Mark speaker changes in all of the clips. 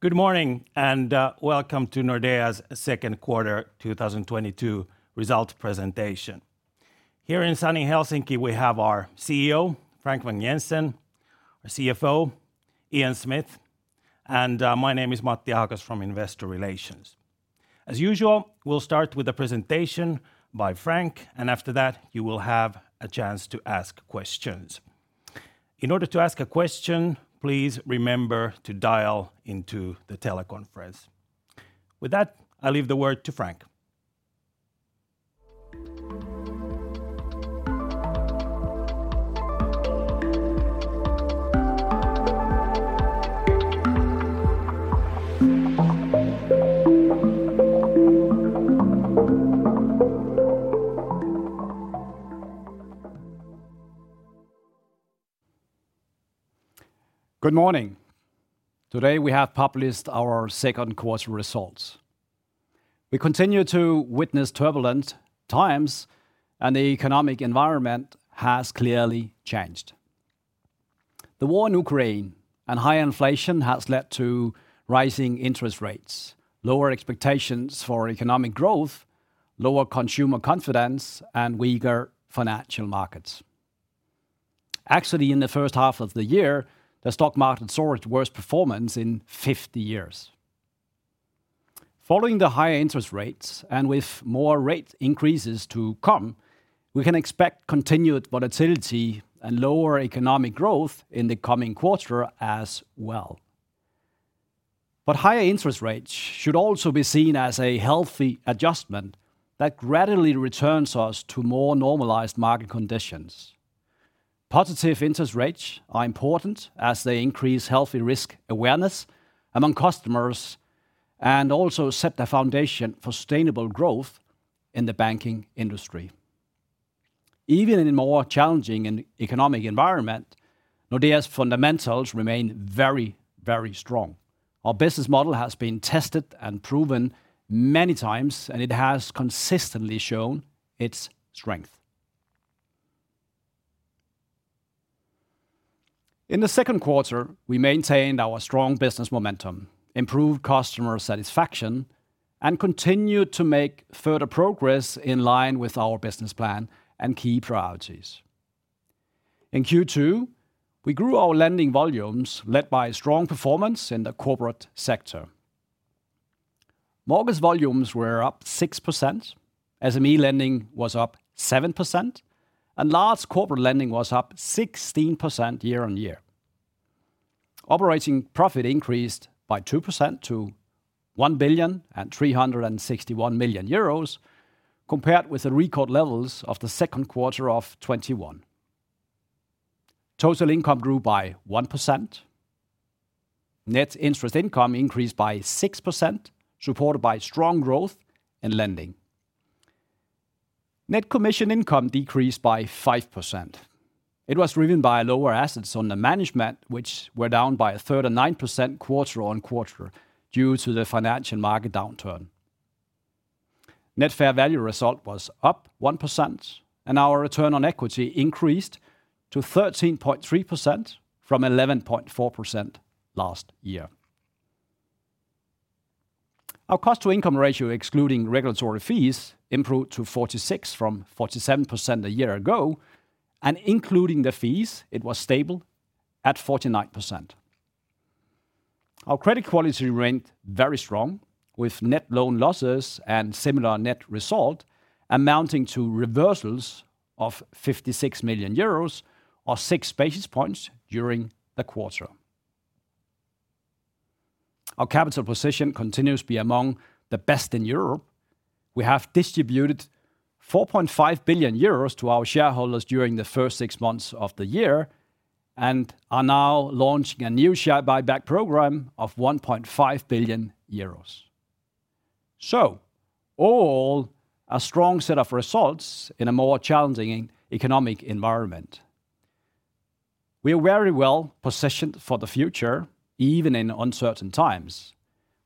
Speaker 1: Good morning, and welcome to Nordea's Q2 2022 Result Presentation. Here in sunny Helsinki, we have our CEO, Frank Vang-Jensen, our CFO, Ian Smith, and my name is Matti Ahokas from Investor Relations. As usual, we'll start with a presentation by Frank, and after that you will have a chance to ask questions. In order to ask a question, please remember to dial into the teleconference. With that, I leave the word to Frank.
Speaker 2: Good morning. Today, we have published our Q2 results. We continue to witness turbulent times, and the economic environment has clearly changed. The war in Ukraine and high inflation has led to rising interest rates, lower expectations for economic growth, lower consumer confidence, and weaker financial markets. Actually, in the H1 of the year, the stock market saw its worst performance in 50 years. Following the higher interest rates, and with more rate increases to come, we can expect continued volatility and lower economic growth in the coming quarter as well. Higher interest rates should also be seen as a healthy adjustment that gradually returns us to more normalized market conditions. Positive interest rates are important as they increase healthy risk awareness among customers and also set the foundation for sustainable growth in the banking industry. Even in a more challenging economic environment, Nordea's fundamentals remain very, very strong. Our business model has been tested and proven many times, and it has consistently shown its strength. In the Q2, we maintained our strong business momentum, improved customer satisfaction, and continued to make further progress in line with our business plan and key priorities. In Q2, we grew our lending volumes led by strong performance in the corporate sector. Mortgage volumes were up 6%, SME lending was up 7%, and large corporate lending was up 16% year-on-year. Operating profit increased by 2% to 1,361 million euros compared with the record levels of the Q2 of 2021. Total income grew by 1%. Net interest income increased by 6%, supported by strong growth in lending. Net commission income decreased by 5%. It was driven by lower assets under management, which were down by a further 9% quarter-on-quarter due to the financial market downturn. Net fair value result was up 1%, and our return on equity increased to 13.3% from 11.4% last year. Our cost-to-income ratio, excluding regulatory fees, improved to 46% from 47% a year ago, and including the fees, it was stable at 49%. Our credit quality remained very strong with net loan losses and similar net result amounting to reversals of 56 million euros, or 6 basis points during the quarter. Our capital position continues to be among the best in Europe. We have distributed 4.5 billion euros to our shareholders during the first six months of the year and are now launching a new share buyback program of 1.5 billion euros. All in all, a strong set of results in a more challenging economic environment. We are very well positioned for the future, even in uncertain times.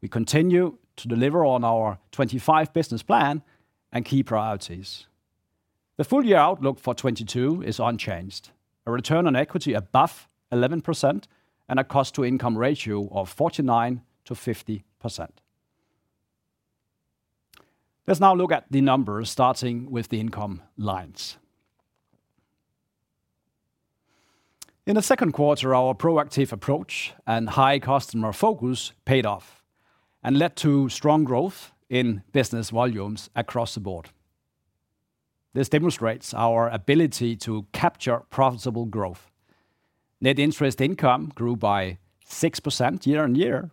Speaker 2: We continue to deliver on our 25 business plan and key priorities. The full year outlook for 2022 is unchanged. A return on equity above 11% and a cost-to-income ratio of 49%-50%. Let's now look at the numbers, starting with the income lines. In the Q2, our proactive approach and high customer focus paid off and led to strong growth in business volumes across the board. This demonstrates our ability to capture profitable growth. Net interest income grew by 6% year-on-year.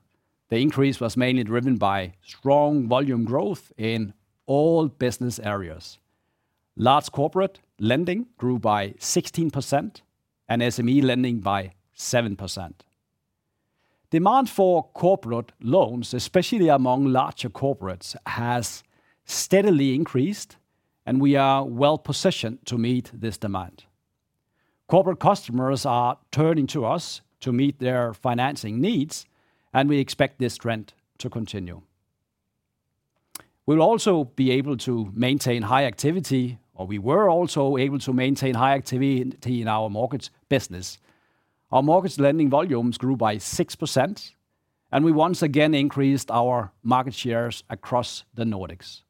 Speaker 2: The increase was mainly driven by strong volume growth in all business areas. Large corporate lending grew by 16% and SME lending by 7%. Demand for corporate loans, especially among larger corporates, has steadily increased, and we are well positioned to meet this demand. Corporate customers are turning to us to meet their financing needs, and we expect this trend to continue. We were also able to maintain high activity in our markets business. Our markets lending volumes grew by 6%, and we once again increased our market shares across the Nordics.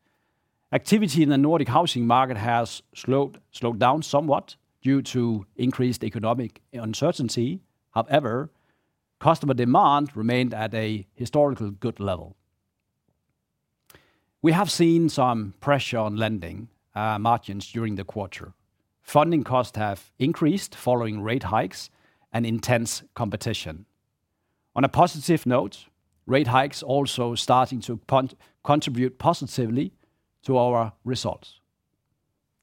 Speaker 2: Activity in the Nordic housing market has slowed down somewhat due to increased economic uncertainty. However, customer demand remained at a historically good level. We have seen some pressure on lending margins during the quarter. Funding costs have increased following rate hikes and intense competition. On a positive note, rate hikes also starting to contribute positively to our results.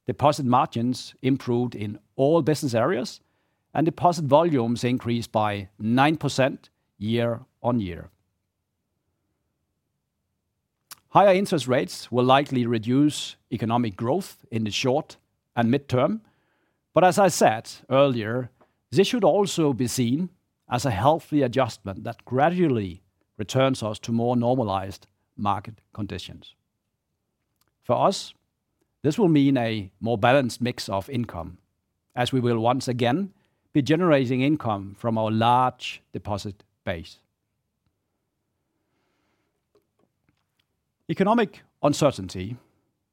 Speaker 2: Deposit margins improved in all business areas, and deposit volumes increased by 9% year-on-year. Higher interest rates will likely reduce economic growth in the short and medium term, but as I said earlier, this should also be seen as a healthy adjustment that gradually returns us to more normalized market conditions. For us, this will mean a more balanced mix of income as we will once again be generating income from our large deposit base. Economic uncertainty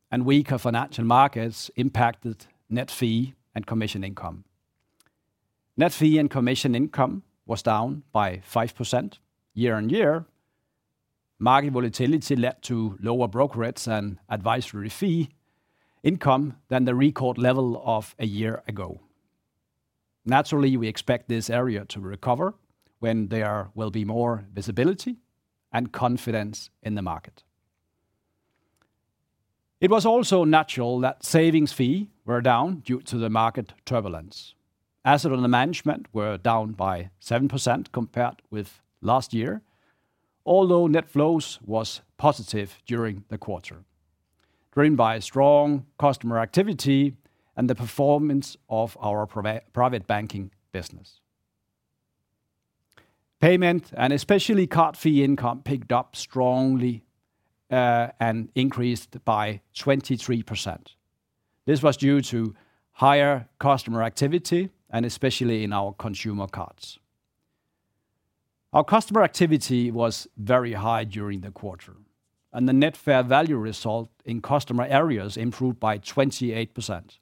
Speaker 2: and weaker financial markets impacted net fee and commission income. Net fee and commission income was down by 5% year-on-year. Market volatility led to lower brokerages and advisory fee income than the record level of a year ago. Naturally, we expect this area to recover when there will be more visibility and confidence in the market. It was also natural that savings fees were down due to the market turbulence. Assets under management were down by 7% compared with last year, although net flows was positive during the quarter, driven by strong customer activity and the performance of our private banking business. Payment and especially card fee income picked up strongly, and increased by 23%. This was due to higher customer activity and especially in our consumer cards. Our customer activity was very high during the quarter, and the Net Fair Value Result in customer areas improved by 28%.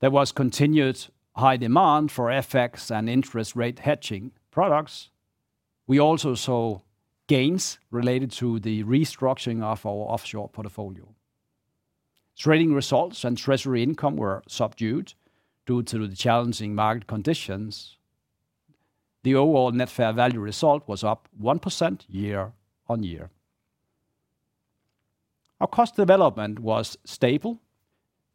Speaker 2: There was continued high demand for FX and interest rate hedging products. We also saw gains related to the restructuring of our offshore portfolio. Trading results and treasury income were subdued due to the challenging market conditions. The overall Net Fair Value Result was up 1% year-on-year. Our cost development was stable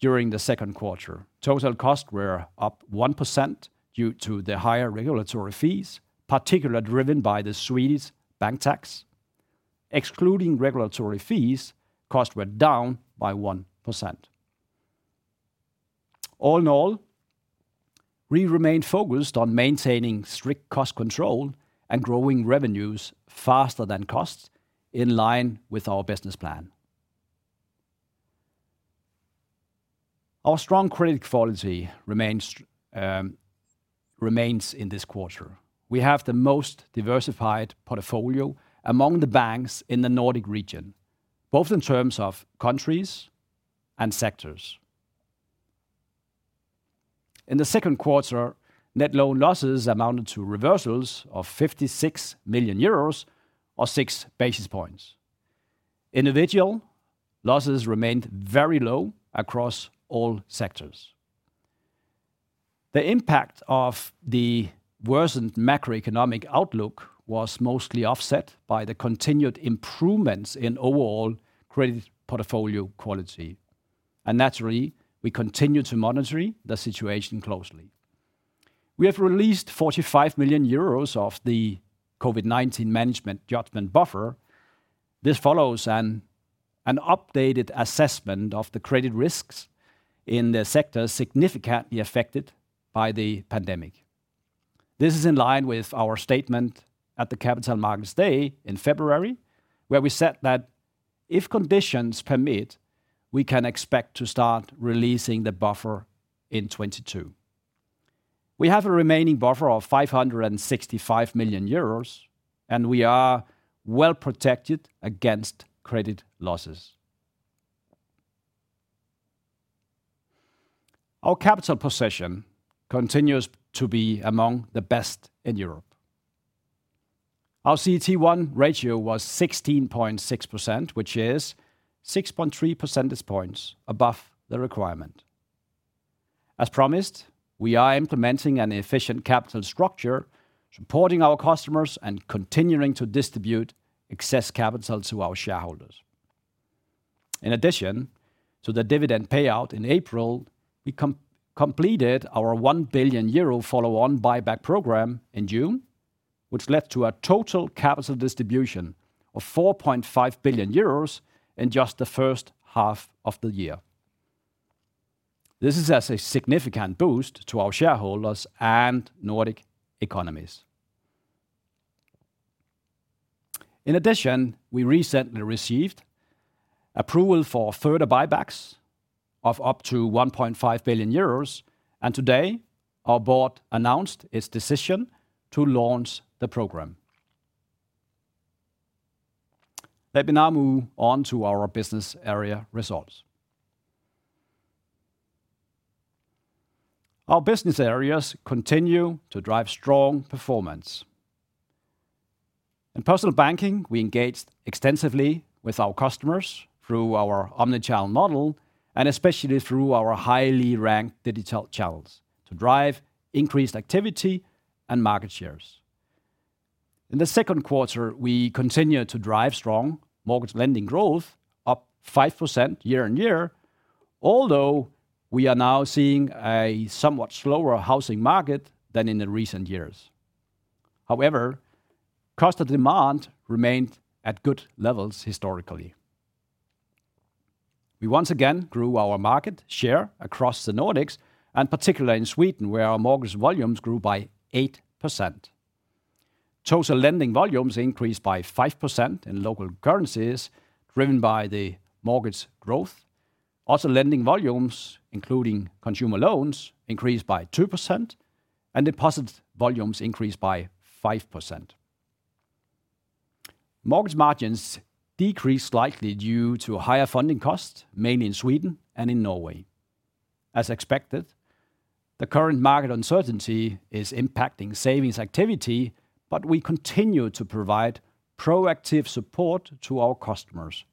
Speaker 2: during the Q2. Total costs were up 1% due to the higher regulatory fees, particularly driven by the Swedish bank tax. Excluding regulatory fees, costs were down by 1%. All in all, we remain focused on maintaining strict cost control and growing revenues faster than costs in line with our business plan. Our strong credit quality remains in this quarter. We have the most diversified portfolio among the banks in the Nordic region, both in terms of countries and sectors. In the Q2, net loan losses amounted to reversals of 56 million euros, or 6 basis points. Individual losses remained very low across all sectors. The impact of the worsened macroeconomic outlook was mostly offset by the continued improvements in overall credit portfolio quality. Naturally, we continue to monitor the situation closely. We have released 45 million euros of the COVID-19 management judgment buffer. This follows an updated assessment of the credit risks in the sector significantly affected by the pandemic. This is in line with our statement at the Capital Markets Day in February, where we said that if conditions permit, we can expect to start releasing the buffer in 2022. We have a remaining buffer of 565 million euros, and we are well protected against credit losses. Our capital position continues to be among the best in Europe. Our CET1 ratio was 16.6%, which is 6.3 percentage points above the requirement. As promised, we are implementing an efficient capital structure, supporting our customers and continuing to distribute excess capital to our shareholders. In addition to the dividend payout in April, we completed our 1 billion euro follow-on buyback program in June, which led to a total capital distribution of 4.5 billion euros in just the H1 of the year. This is a significant boost to our shareholders and Nordic economies. In addition, we recently received approval for further buybacks of up to 1.5 billion euros, and today our board announced its decision to launch the program. Let me now move on to our business area results. Our business areas continue to drive strong performance. In Personal Banking, we engaged extensively with our customers through our omni-channel model and especially through our highly ranked digital channels to drive increased activity and market shares. In the Q2, we continued to drive strong mortgage lending growth up 5% year-on-year, although we are now seeing a somewhat slower housing market than in the recent years. However, customer demand remained at good levels historically. We once again grew our market share across the Nordics, and particularly in Sweden, where our mortgage volumes grew by 8%. Total lending volumes increased by 5% in local currencies, driven by the mortgage growth. Also, lending volumes, including consumer loans, increased by 2% and deposit volumes increased by 5%. Mortgage margins decreased slightly due to higher funding costs, mainly in Sweden and in Norway. As expected, the current market uncertainty is impacting savings activity, but we continue to provide proactive support to our customers.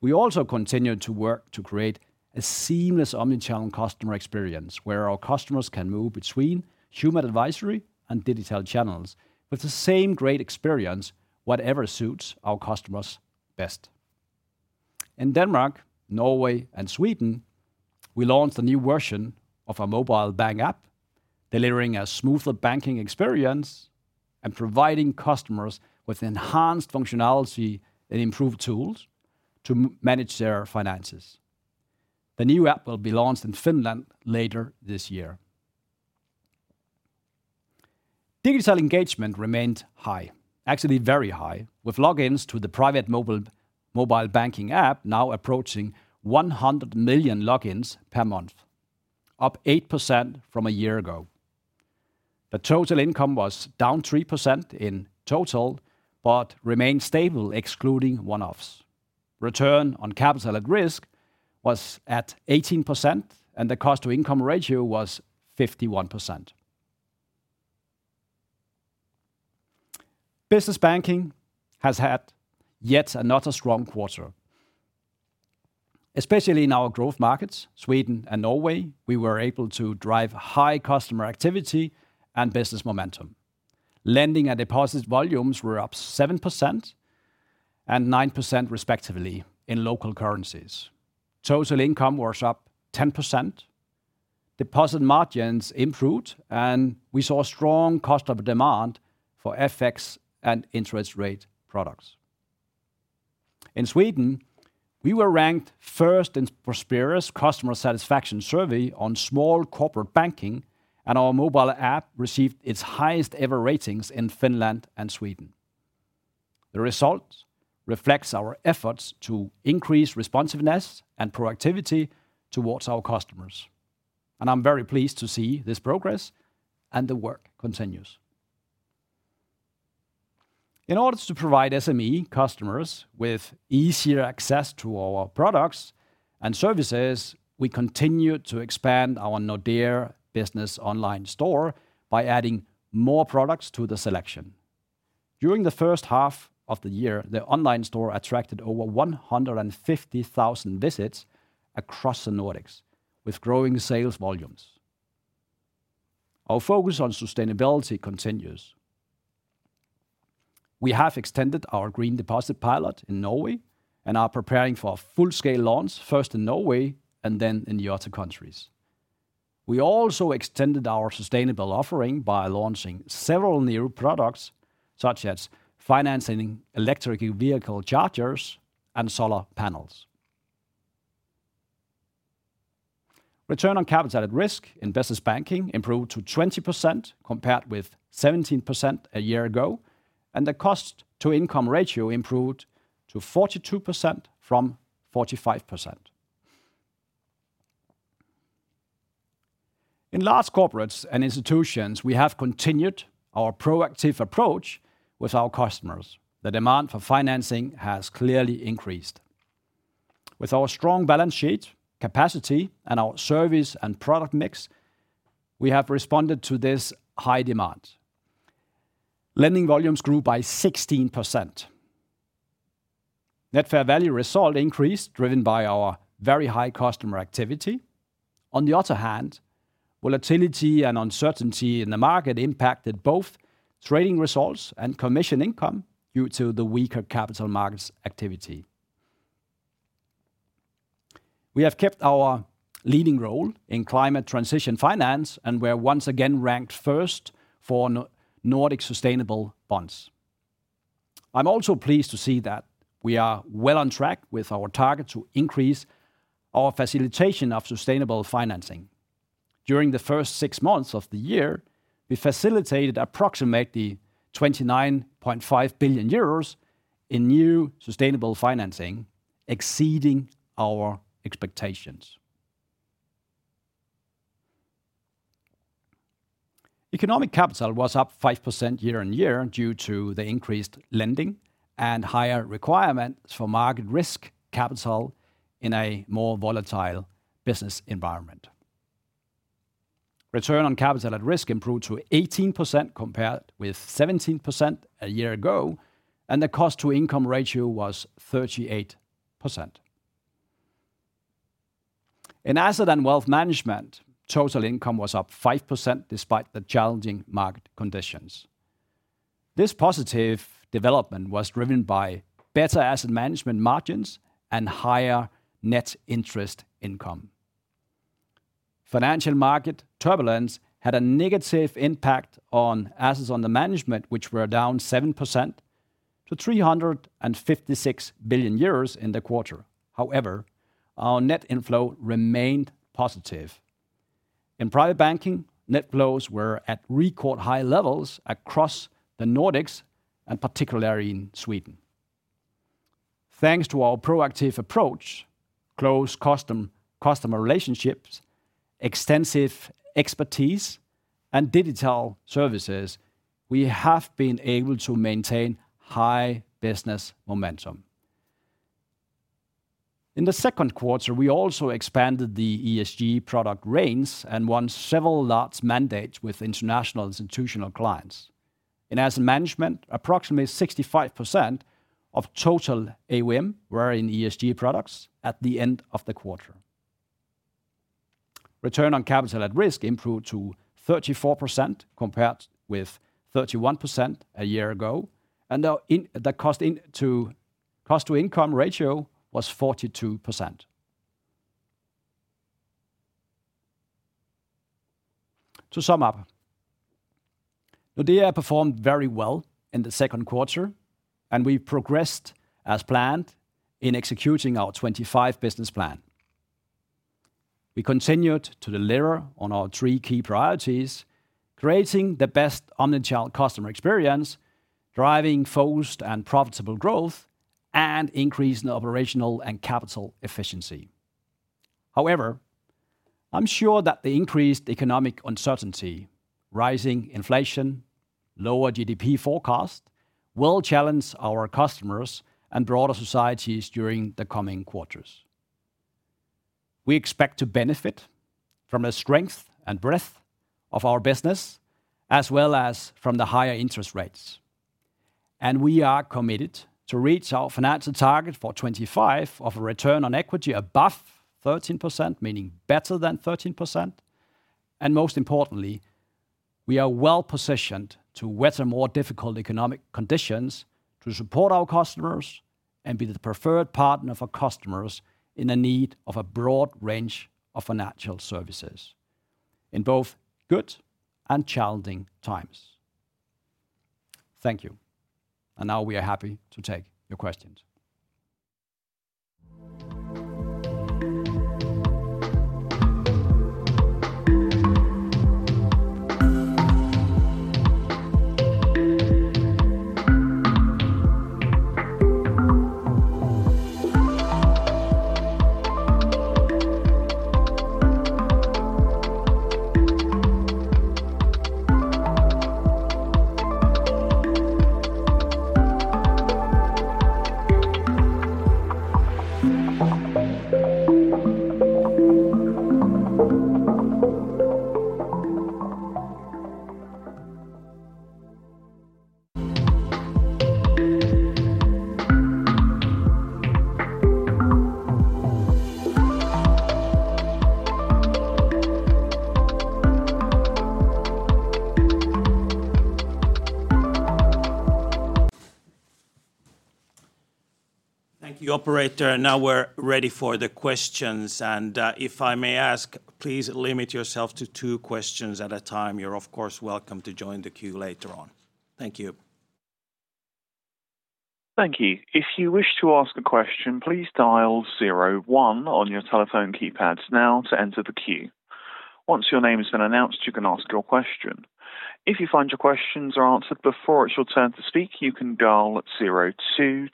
Speaker 2: We also continue to work to create a seamless omni-channel customer experience where our customers can move between human advisory and digital channels with the same great experience, whatever suits our customers best. In Denmark, Norway and Sweden, we launched a new version of our mobile bank app, delivering a smoother banking experience and providing customers with enhanced functionality and improved tools to manage their finances. The new app will be launched in Finland later this year. Digital engagement remained high, actually very high, with logins to the private mobile banking app now approaching 100 million logins per month, up 8% from a year ago. The total income was down 3% in total, but remained stable, excluding one-offs. Return on Capital at Risk was at 18% and the cost-to-income ratio was 51%. Business banking has had yet another strong quarter, especially in our growth markets, Sweden and Norway. We were able to drive high customer activity and business momentum. Lending and deposit volumes were up 7% and 9% respectively in local currencies. Total income was up 10%. Deposit margins improved and we saw strong customer demand for FX and interest rate products. In Sweden, we were ranked first in Prospera’s customer satisfaction survey on small corporate banking, and our mobile app received its highest ever ratings in Finland and Sweden. The result reflects our efforts to increase responsiveness and productivity towards our customers, and I’m very pleased to see this progress and the work continues. In order to provide SME customers with easier access to our products and services, we continue to expand our Nordea Business online store by adding more products to the selection. During the H1 of the year, the online store attracted over 150,000 visits across the Nordics, with growing sales volumes. Our focus on sustainability continues. We have extended our green deposit pilot in Norway and are preparing for a full-scale launch, first in Norway and then in the other countries. We also extended our sustainable offering by launching several new products, such as financing electric vehicle chargers and solar panels. Return on Capital at Risk in Business Banking improved to 20%, compared with 17% a year ago, and the cost-to-income ratio improved to 42% from 45%. In Large Corporates and Institutions, we have continued our proactive approach with our customers. The demand for financing has clearly increased. With our strong balance sheet capacity and our service and product mix, we have responded to this high demand. Lending volumes grew by 16%. Net Fair Value Result increased, driven by our very high customer activity. On the other hand, volatility and uncertainty in the market impacted both trading results and commission income due to the weaker capital markets activity. We have kept our leading role in climate transition finance, and we are once again ranked first for Nordic sustainable bonds. I'm also pleased to see that we are well on track with our target to increase our facilitation of sustainable financing. During the first six months of the year, we facilitated approximately 29.5 billion euros in new sustainable financing, exceeding our expectations. Economic capital was up 5% year-on-year due to the increased lending and higher requirements for market risk capital in a more volatile business environment. Return on capital at risk improved to 18% compared with 17% a year ago, and the cost-to-income ratio was 38%. In asset and wealth management, total income was up 5% despite the challenging market conditions. This positive development was driven by better asset management margins and higher net interest income. Financial market turbulence had a negative impact on assets under management, which were down 7% to 356 billion euros in the quarter. However, our net inflow remained positive. In private banking, net flows were at record high levels across the Nordics and particularly in Sweden. Thanks to our proactive approach, close customer relationships, extensive expertise and digital services, we have been able to maintain high business momentum. In the Q2, we also expanded the ESG product range and won several large mandates with international institutional clients. In asset management, approximately 65% of total AUM were in ESG products at the end of the quarter. Return on capital at risk improved to 34% compared with 31% a year ago, and the cost-to-income ratio was 42%. To sum up, Nordea performed very well in the Q2, and we progressed as planned in executing our 2025 business plan. We continued to deliver on our three key priorities, creating the best omni-channel customer experience, driving focused and profitable growth, and increasing operational and capital efficiency. However, I'm sure that the increased economic uncertainty, rising inflation, lower GDP forecast will challenge our customers and broader societies during the coming quarters. We expect to benefit from the strength and breadth of our business as well as from the higher interest rates. We are committed to reach our financial target for 2025 of a return on equity above 13%, meaning better than 13%. Most importantly, we are well-positioned to weather more difficult economic conditions to support our customers and be the preferred partner for customers in the need of a broad range of financial services in both good and challenging times. Thank you. Now we are happy to take your questions. Thank you, operator. Now we're ready for the questions. If I may ask, please limit yourself to two questions at a time. You're of course, welcome to join the queue later on. Thank you.
Speaker 3: Thank you. If you wish to ask a question, please dial zero one on your telephone keypads now to enter the queue. Once your name has been announced, you can ask your question. If you find your questions are answered before it's your turn to speak, you can dial zero two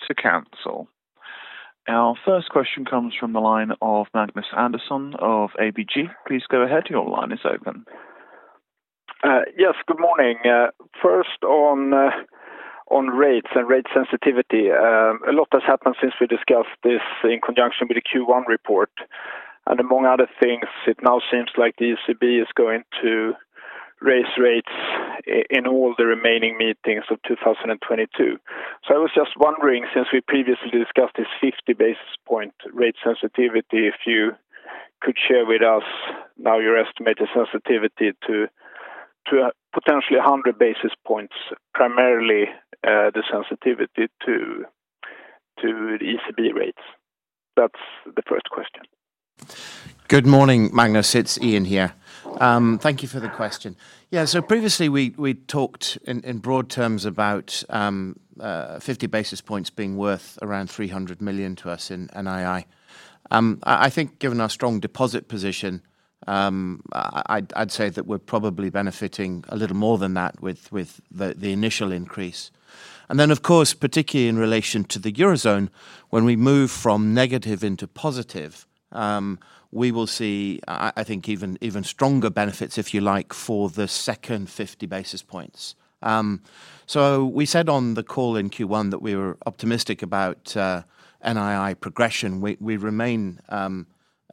Speaker 3: to cancel. Our first question comes from the line of Magnus Andersson of ABG. Please go ahead. Your line is open.
Speaker 4: Yes. Good morning. First on rates and rate sensitivity. A lot has happened since we discussed this in conjunction with the Q1 report. Among other things, it now seems like the ECB is going to raise rates in all the remaining meetings of 2022. I was just wondering, since we previously discussed this 50 basis point rate sensitivity, if you could share with us now your estimated sensitivity to a potentially 100 basis points, primarily the sensitivity to ECB rates. That's the first question.
Speaker 5: Good morning, Magnus. It's Ian here. Thank you for the question. Yeah, so previously we talked in broad terms about 50 basis points being worth around 300 million to us in NII. I think given our strong deposit position, I'd say that we're probably benefiting a little more than that with the initial increase. Then of course, particularly in relation to the Eurozone, when we move from negative into positive, we will see, I think even stronger benefits, if you like, for the second 50 basis points. We said on the call in Q1 that we were optimistic about NII progression. We remain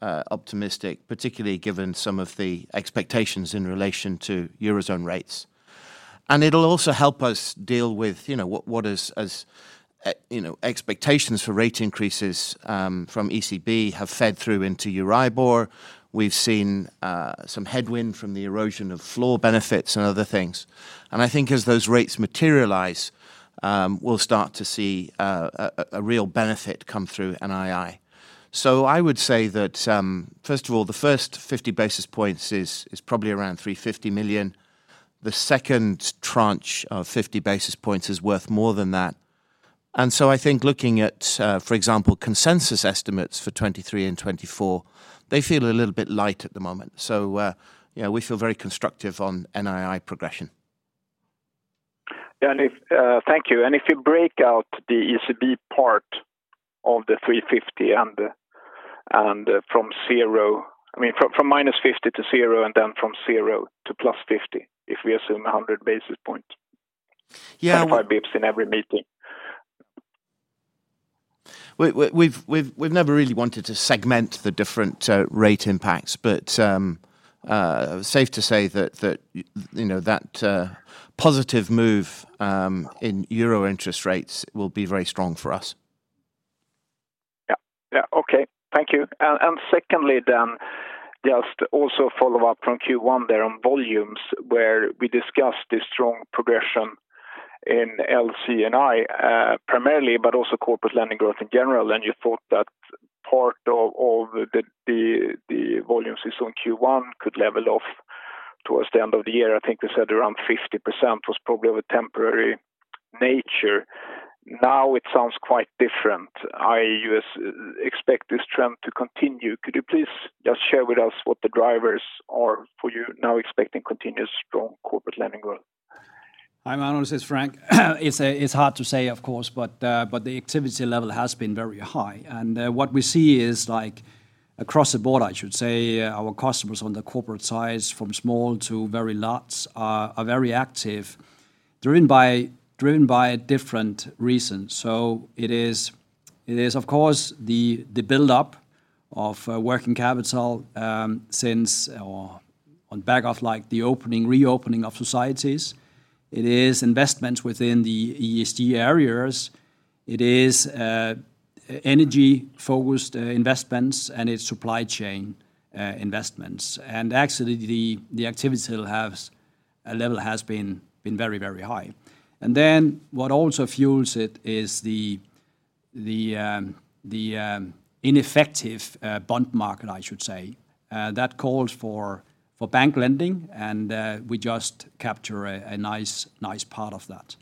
Speaker 5: optimistic, particularly given some of the expectations in relation to Eurozone rates. It'll also help us deal with expectations for rate increases from ECB have fed through into Euribor. We've seen some headwind from the erosion of floor benefits and other things. I think as those rates materialize, we'll start to see a real benefit come through NII. I would say that first of all, the first 50 basis points is probably around 350 million. The second tranche of 50 basis points is worth more than that. I think looking at, for example, consensus estimates for 2023 and 2024, they feel a little bit light at the moment. Yeah, we feel very constructive on NII progression.
Speaker 4: Thank you. If you break out the ECB part of the 350 and from zero, I mean, from -50 to 0, and then from 0 to +50, if we assume 100 basis points.
Speaker 5: Yeah.
Speaker 4: 25 basis points in every meeting.
Speaker 5: We've never really wanted to segment the different rate impacts, but safe to say that, you know, that positive move in euro interest rates will be very strong for us.
Speaker 4: Yeah. Yeah. Okay. Thank you. Secondly then, just also follow up from Q1 there on volumes where we discussed the strong progression in LC&I, primarily, but also corporate lending growth in general. You thought that part of the volume seen in Q1 could level off towards the end of the year. I think you said around 50% was probably of a temporary nature. Now it sounds quite different. I.e., you expect this trend to continue. Could you please just share with us what the drivers are for you now expecting continuous strong corporate lending growth?
Speaker 2: Hi, Magnus. It's Frank. It's hard to say, of course, but the activity level has been very high. What we see is like across the board, I should say, our customers on the corporate side from small to very large are very active, driven by different reasons. It is of course the buildup of working capital, since or on the back of like the opening, reopening of societies. It is investments within the ESG areas. It is energy-focused investments, and it's supply chain investments. Actually the activity level has been very, very high. What also fuels it is the inefficient bond market, I should say, that calls for bank lending and we just capture a nice part of that.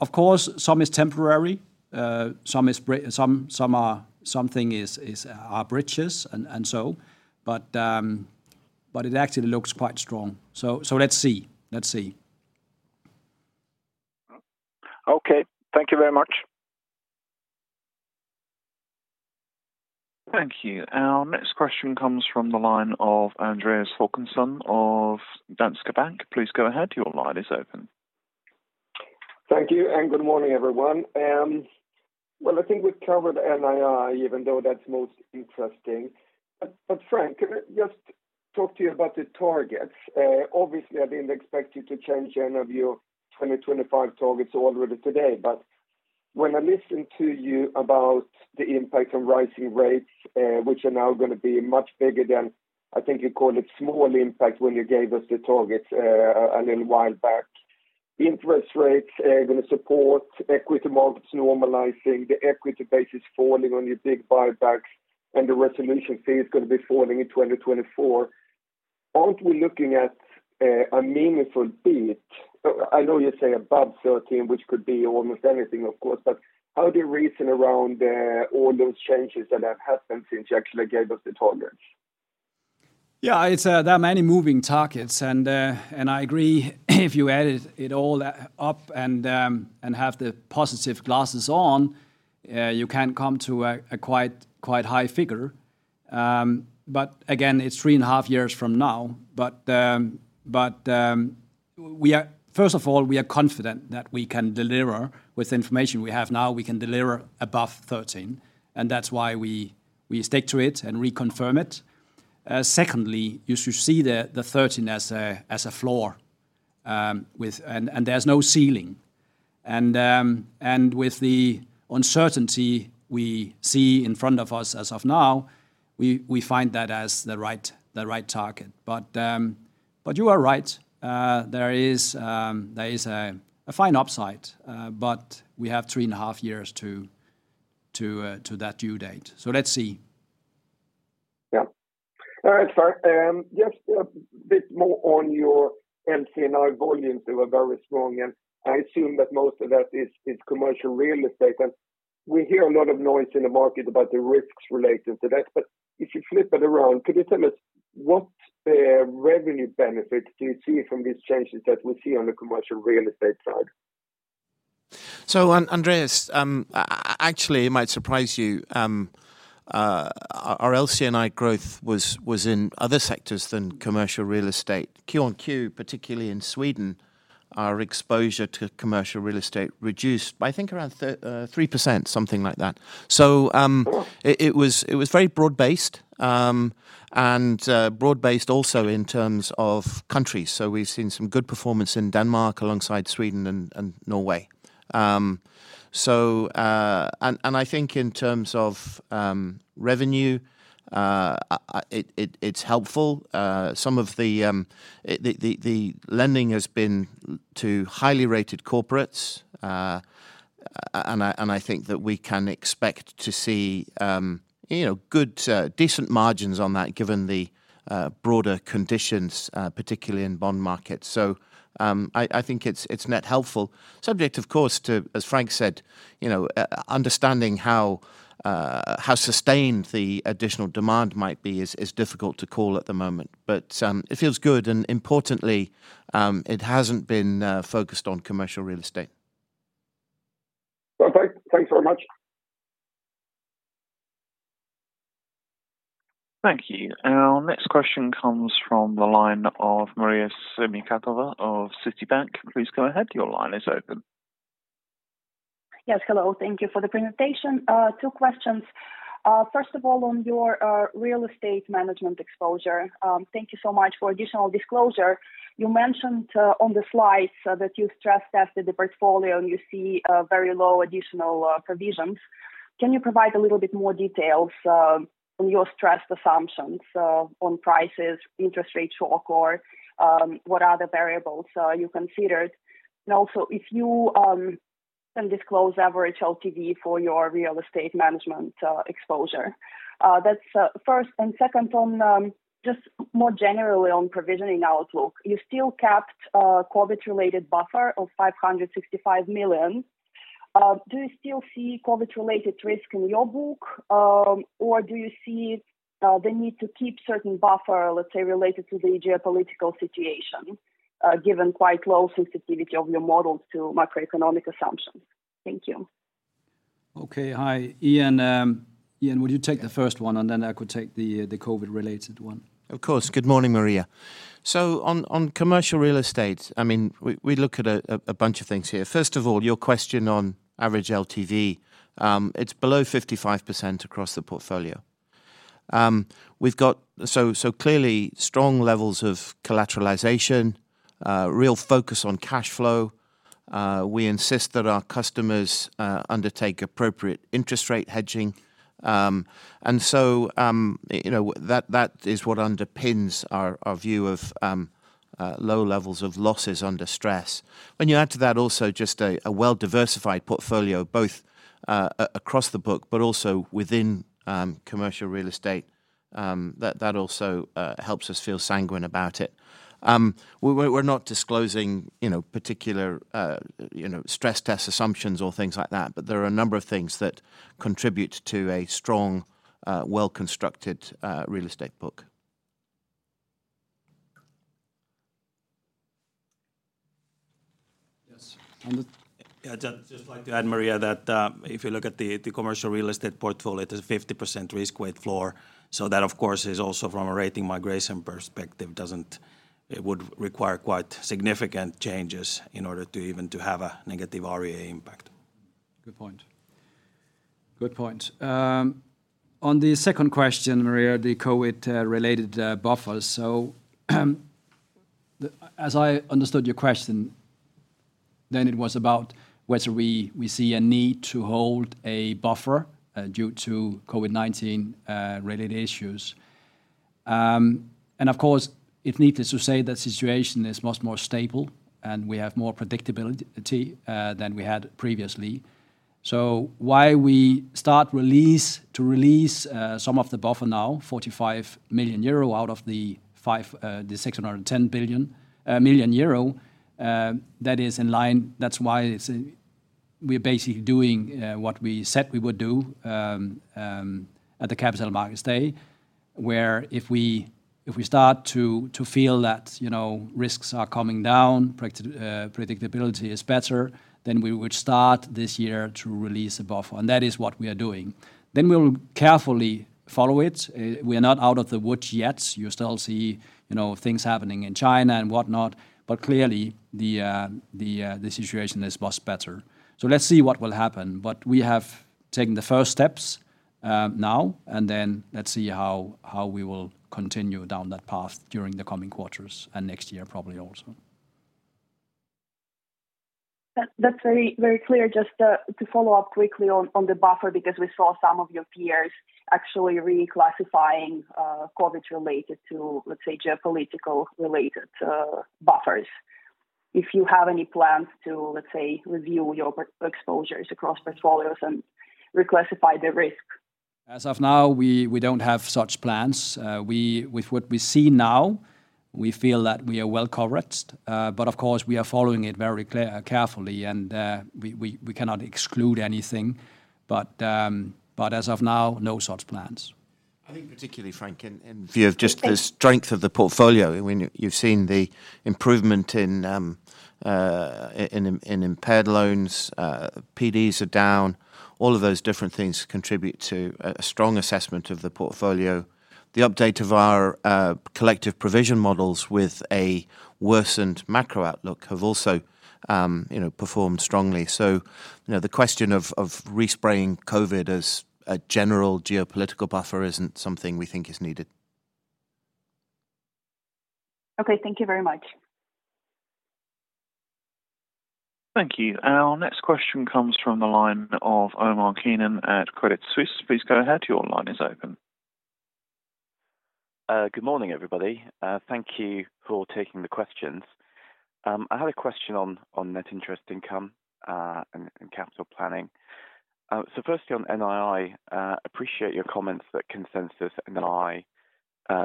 Speaker 2: Of course some is temporary, some are bridges and so but it actually looks quite strong. Let's see. Let's see.
Speaker 4: Okay. Thank you very much.
Speaker 3: Thank you. Our next question comes from the line of Andreas Håkansson of Danske Bank. Please go ahead. Your line is open.
Speaker 6: Thank you, and good morning, everyone. Well, I think we've covered NII, even though that's most interesting. Frank, can I just talk to you about the targets? Obviously I didn't expect you to change any of your 2025 targets already today, but when I listen to you about the impact on rising rates, which are now gonna be much bigger than, I think you called it small impact when you gave us the targets, a little while back. Interest rates are gonna support equity markets normalizing, the equity base is falling on your big buybacks, and the resolution fee is gonna be falling in 2024. Aren't we looking at a meaningful beat? I know you're saying above 13, which could be almost anything of course, but how do you reason around all those changes that have happened since you actually gave us the targets?
Speaker 2: Yeah. It's there are many moving targets and I agree if you add it all up and have the positive glasses on, you can come to a quite high figure. But again, it's three and a half years from now. First of all, we are confident that we can deliver with information we have now, we can deliver above 13%, and that's why we stick to it and reconfirm it. Secondly, you should see the 13% as a floor, and there's no ceiling. With the uncertainty we see in front of us as of now, we find that as the right target. You are right, there is a fine upside, but we have three and a half years to that due date. Let's see.
Speaker 6: Yeah. All right, Frank. Just a bit more on your LC&I volumes. They were very strong, and I assume that most of that is commercial real estate. We hear a lot of noise in the market about the risks related to that. If you flip it around, could you tell us what revenue benefits do you see from these changes that we see on the commercial real estate side?
Speaker 5: Andreas, actually it might surprise you, our LC&I growth was in other sectors than commercial real estate. Quarter-on-quarter, particularly in Sweden, our exposure to commercial real estate reduced by, I think, around 3%, something like that. It was very broad-based and broad-based also in terms of countries. We've seen some good performance in Denmark alongside Sweden and Norway. I think in terms of revenue, it's helpful. Some of the lending has been to highly rated corporates, and I think that we can expect to see, you know, good, decent margins on that given the broader conditions, particularly in bond markets. I think it's net helpful. Subject, of course, to, as Frank said, you know, understanding how sustained the additional demand might be is difficult to call at the moment. It feels good, and importantly, it hasn't been focused on commercial real estate.
Speaker 6: Okay. Thanks very much.
Speaker 3: Thank you. Our next question comes from the line of Maria Semikhatova of Citigroup. Please go ahead. Your line is open.
Speaker 7: Yes. Hello. Thank you for the presentation. Two questions, first of all, on your real estate management exposure, thank you so much for additional disclosure. You mentioned on the slides that you stress tested the portfolio and you see very low additional provisions. Can you provide a little bit more details on your stress assumptions on prices, interest rate shock, or what are the variables you considered? Also, if you can disclose average LTV for your real estate management exposure. That's first. Second, on just more generally on provisioning outlook. You still kept a COVID-related buffer of 565 million. Do you still see COVID-related risk in your book? Do you see the need to keep certain buffer, let's say, related to the geopolitical situation, given quite low sensitivity of your models to macroeconomic assumptions? Thank you.
Speaker 2: Okay. Hi. Ian, would you take the first one, and then I could take the COVID-related one?
Speaker 5: Of course. Good morning, Maria. On commercial real estate, I mean, we look at a bunch of things here. First of all, your question on average LTV, it's below 55% across the portfolio. We've got so clearly strong levels of collateralization, real focus on cash flow. We insist that our customers undertake appropriate interest rate hedging. You know, that is what underpins our view of low levels of losses under stress. When you add to that also just a well-diversified portfolio, both across the book, but also within commercial real estate, that also helps us feel sanguine about it. We're not disclosing, you know, particular, you know, stress test assumptions or things like that, but there are a number of things that contribute to a strong, well-constructed, real estate book.
Speaker 2: Yes.
Speaker 1: Yeah. Just like to add, Maria, that if you look at the commercial real estate portfolio, it is 50% risk weight floor. That, of course, is also from a rating migration perspective. It would require quite significant changes in order to even have a negative REA impact.
Speaker 2: Good point. On the second question, Maria, the COVID-19 related buffers. As I understood your question, it was about whether we see a need to hold a buffer due to COVID-19 related issues. Of course, it's needless to say the situation is much more stable, and we have more predictability than we had previously. Why we start to release some of the buffer now, 45 million euro out of the 610 billion euro, that is in line. That's why we're basically doing what we said we would do at the Capital Markets Day. Well, if we start to feel that, you know, risks are coming down, predictability is better, then we would start this year to release a buffer. That is what we are doing. We'll carefully follow it. We are not out of the woods yet. You still see, you know, things happening in China and whatnot, but clearly the situation is much better. Let's see what will happen. We have taken the first steps now, and then let's see how we will continue down that path during the coming quarters and next year probably also.
Speaker 7: That's very, very clear. Just to follow up quickly on the buffer, because we saw some of your peers actually reclassifying COVID-related to, let's say, geopolitical-related buffers. If you have any plans to, let's say, review your personal exposures across portfolios and reclassify the risk.
Speaker 2: As of now, we don't have such plans. With what we see now, we feel that we are well covered. Of course, we are following it very carefully, and we cannot exclude anything. As of now, no such plans.
Speaker 5: I think particularly, Frank, in view of just the strength of the portfolio, when you've seen the improvement in impaired loans, PDs are down, all of those different things contribute to a strong assessment of the portfolio. The update of our collective provision models with a worsened macro outlook have also, you know, performed strongly. You know, the question of reclassifying COVID as a general geopolitical buffer isn't something we think is needed.
Speaker 7: Okay. Thank you very much.
Speaker 3: Thank you. Our next question comes from the line of Omar Keenan at Credit Suisse. Please go ahead. Your line is open.
Speaker 8: Good morning, everybody. Thank you for taking the questions. I had a question on net interest income and capital planning. Firstly on NII, appreciate your comments that consensus NII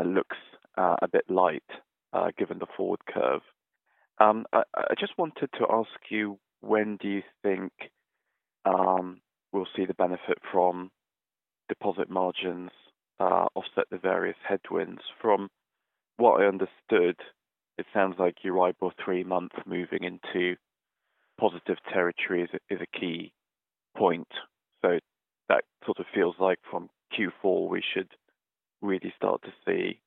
Speaker 8: looks a bit light given the forward curve. I just wanted to ask you, when do you think we'll see the benefit from deposit margins offset the various headwinds? From what I understood, it sounds like your IBOR three-month moving into positive territory is a key point. That sort of feels like from Q4, we should really start to see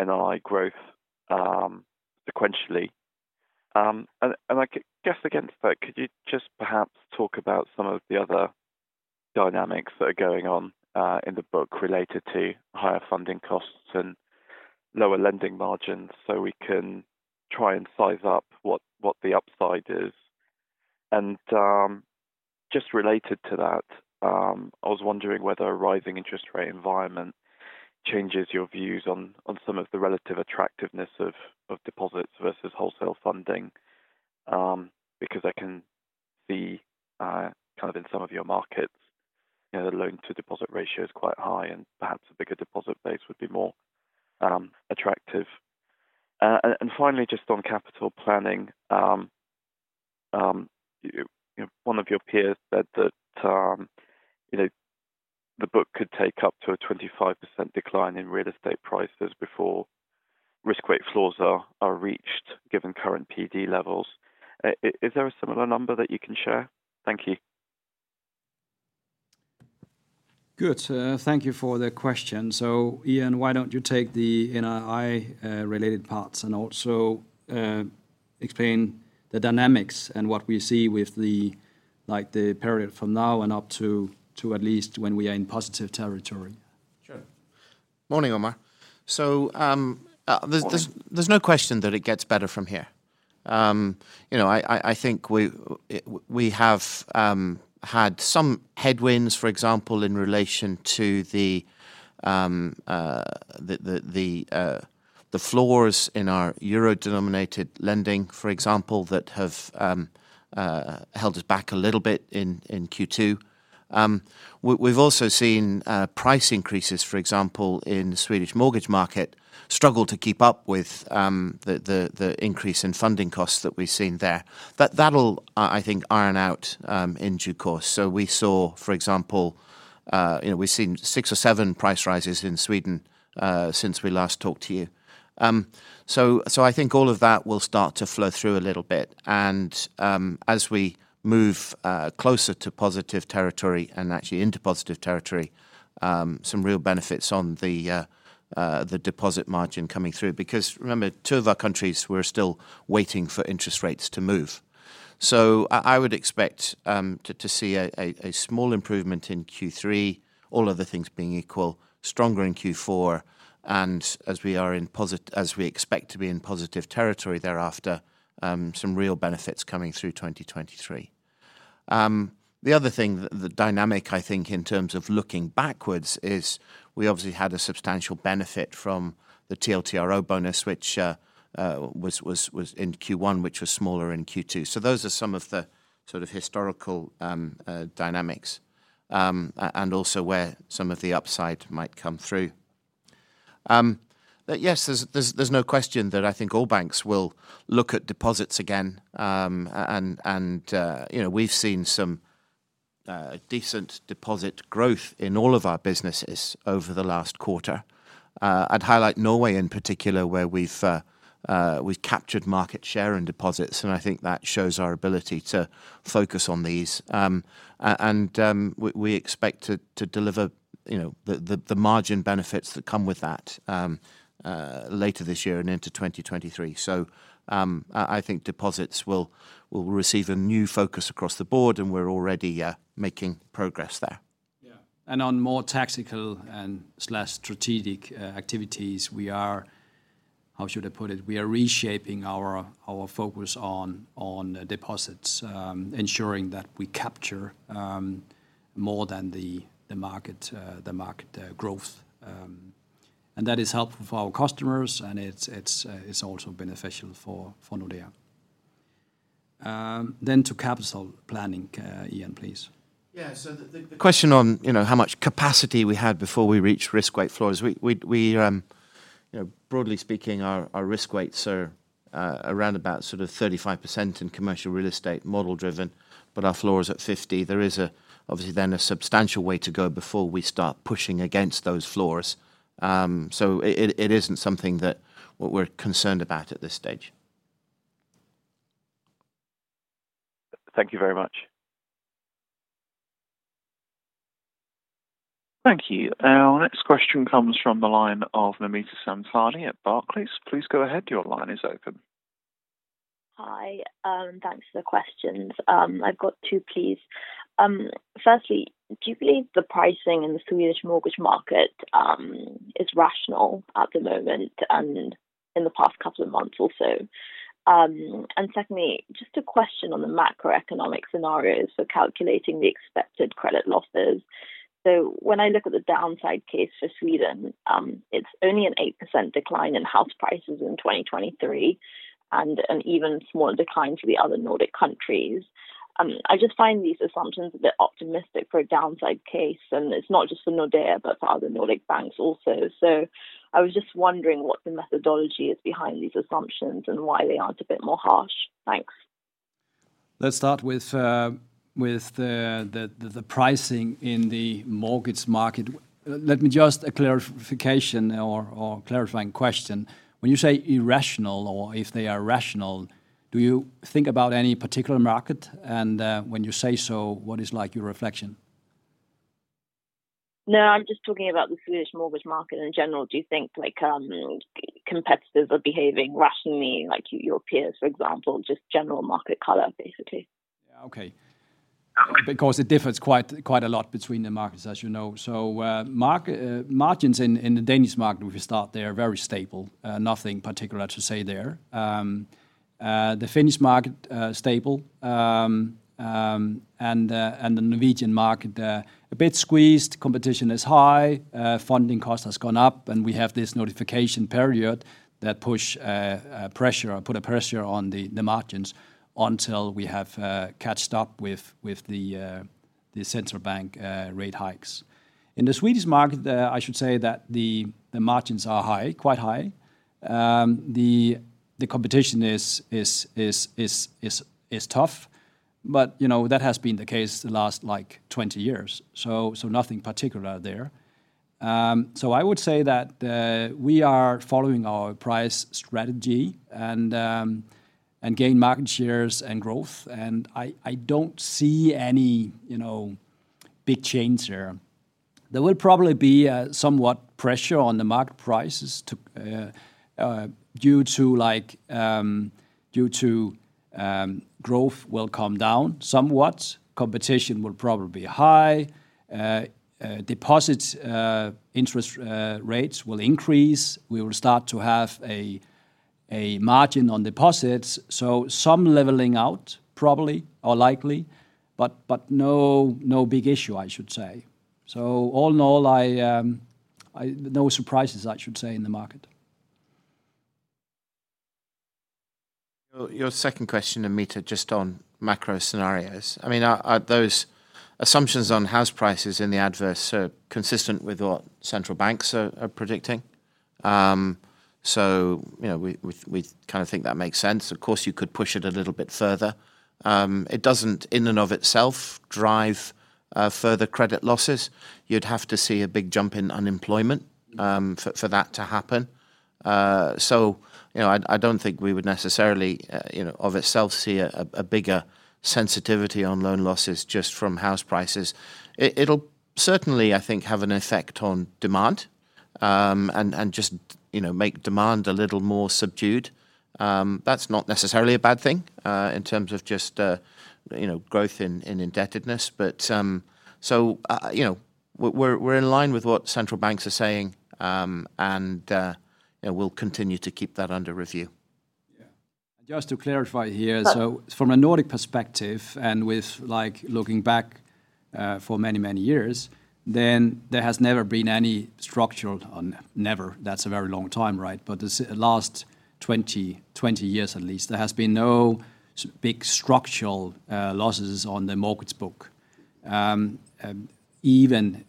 Speaker 8: NII growth sequentially. I guess against that, could you just perhaps talk about some of the other dynamics that are going on in the book related to higher funding costs and lower lending margins so we can try and size up what the upside is? Just related to that, I was wondering whether a rising interest rate environment changes your views on some of the relative attractiveness of deposits versus wholesale funding because I can see kind of in some of your markets, you know, the loan to deposit ratio is quite high, and perhaps a bigger deposit base would be more attractive. Finally, just on capital planning, you know, one of your peers said that, you know, the book could take up to a 25% decline in real estate prices before risk-weight floors are reached given current PD levels. Is there a similar number that you can share? Thank you.
Speaker 2: Good. Thank you for the question. Ian, why don't you take the NII related parts and also explain the dynamics and what we see with the, like, the period from now and up to at least when we are in positive territory.
Speaker 5: Sure. Morning, Omar.
Speaker 8: Morning
Speaker 5: There's no question that it gets better from here. You know, I think we have had some headwinds, for example, in relation to the floors in our euro-denominated lending, for example, that have held us back a little bit in Q2. We've also seen price increases, for example, in the Swedish mortgage market struggle to keep up with the increase in funding costs that we've seen there. That'll, I think, iron out in due course. We saw, for example, you know, we've seen 6 or 7 price rises in Sweden since we last talked to you. I think all of that will start to flow through a little bit. As we move closer to positive territory and actually into positive territory, some real benefits on the deposit margin coming through. Because remember, two of our countries were still waiting for interest rates to move. I would expect to see a small improvement in Q3, all other things being equal, stronger in Q4, and as we expect to be in positive territory thereafter, some real benefits coming through 2023. The other thing, the dynamic I think in terms of looking backwards is we obviously had a substantial benefit from the TLTRO bonus, which was in Q1, which was smaller in Q2. Those are some of the sort of historical dynamics, and also where some of the upside might come through. Yes, there's no question that I think all banks will look at deposits again. You know, we've seen some decent deposit growth in all of our businesses over the last quarter. I'd highlight Norway in particular, where we've captured market share and deposits, and I think that shows our ability to focus on these. We expect to deliver you know, the margin benefits that come with that later this year and into 2023. I think deposits will receive a new focus across the board, and we're already making progress there.
Speaker 2: On more tactical and slash strategic activities, we are reshaping our focus on deposits, ensuring that we capture more than the market growth. That is helpful for our customers, and it's also beneficial for Nordea. To capital planning, Ian, please.
Speaker 5: Yeah. The question on, you know, how much capacity we had before we reach risk weight floors. We you know, broadly speaking, our risk weights are around about sort of 35% in commercial real estate model driven, but our floor is at 50%. There is obviously then a substantial way to go before we start pushing against those floors. It isn't something that what we're concerned about at this stage.
Speaker 8: Thank you very much.
Speaker 3: Thank you. Our next question comes from the line of Namita Samtani at Barclays. Please go ahead. Your line is open.
Speaker 9: Hi, thanks for the questions. I've got two, please. Firstly, do you believe the pricing in the Swedish mortgage market is rational at the moment and in the past couple of months or so? And secondly, just a question on the macroeconomic scenarios for calculating the expected credit losses. When I look at the downside case for Sweden, it's only an 8% decline in house prices in 2023 and an even smaller decline for the other Nordic countries. I just find these assumptions a bit optimistic for a downside case, and it's not just for Nordea but for other Nordic banks also. I was just wondering what the methodology is behind these assumptions and why they aren't a bit more harsh. Thanks.
Speaker 2: Let's start with the pricing in the mortgage market. Let me just a clarification or clarifying question. When you say irrational or if they are rational, do you think about any particular market? When you say so, what is like your reflection?
Speaker 9: No, I'm just talking about the Swedish mortgage market in general. Do you think, like, competitors are behaving rationally like your peers, for example, just general market color, basically?
Speaker 2: Yeah. Okay. Because it differs quite a lot between the markets, as you know. Margins in the Danish market, if you start there, are very stable. Nothing particular to say there. The Finnish market, stable. And the Norwegian market, a bit squeezed. Competition is high. Funding cost has gone up, and we have this notification period that puts pressure on the margins until we have caught up with the central bank rate hikes. In the Swedish market, I should say that the margins are high, quite high. The competition is tough. You know, that has been the case the last like 20 years, so nothing particular there. I would say that we are following our price strategy and gain market shares and growth. I don't see any, you know, big change there. There will probably be somewhat pressure on the market prices too due to like growth will come down somewhat. Competition will probably be high. Deposit interest rates will increase. We will start to have a margin on deposits. Some leveling out probably or likely, but no big issue, I should say. All in all, no surprises, I should say, in the market.
Speaker 5: Your second question, Namita, just on macro scenarios. I mean, are those assumptions on house prices in the adverse are consistent with what central banks are predicting. You know, we kind of think that makes sense. Of course, you could push it a little bit further. It doesn't in and of itself drive further credit losses. You'd have to see a big jump in unemployment, for that to happen. You know, I don't think we would necessarily, you know, of itself see a bigger sensitivity on loan losses just from house prices. It'll certainly, I think, have an effect on demand, and just, you know, make demand a little more subdued. That's not necessarily a bad thing, in terms of just, you know, growth in indebtedness. You know, we're in line with what central banks are saying, and you know, we'll continue to keep that under review.
Speaker 2: Yeah. Just to clarify here. From a Nordic perspective and with like looking back, for many, many years, then there has never been any structural losses. Never, that's a very long time, right? The last 20 years at least, there has been no big structural losses on the mortgage book. Even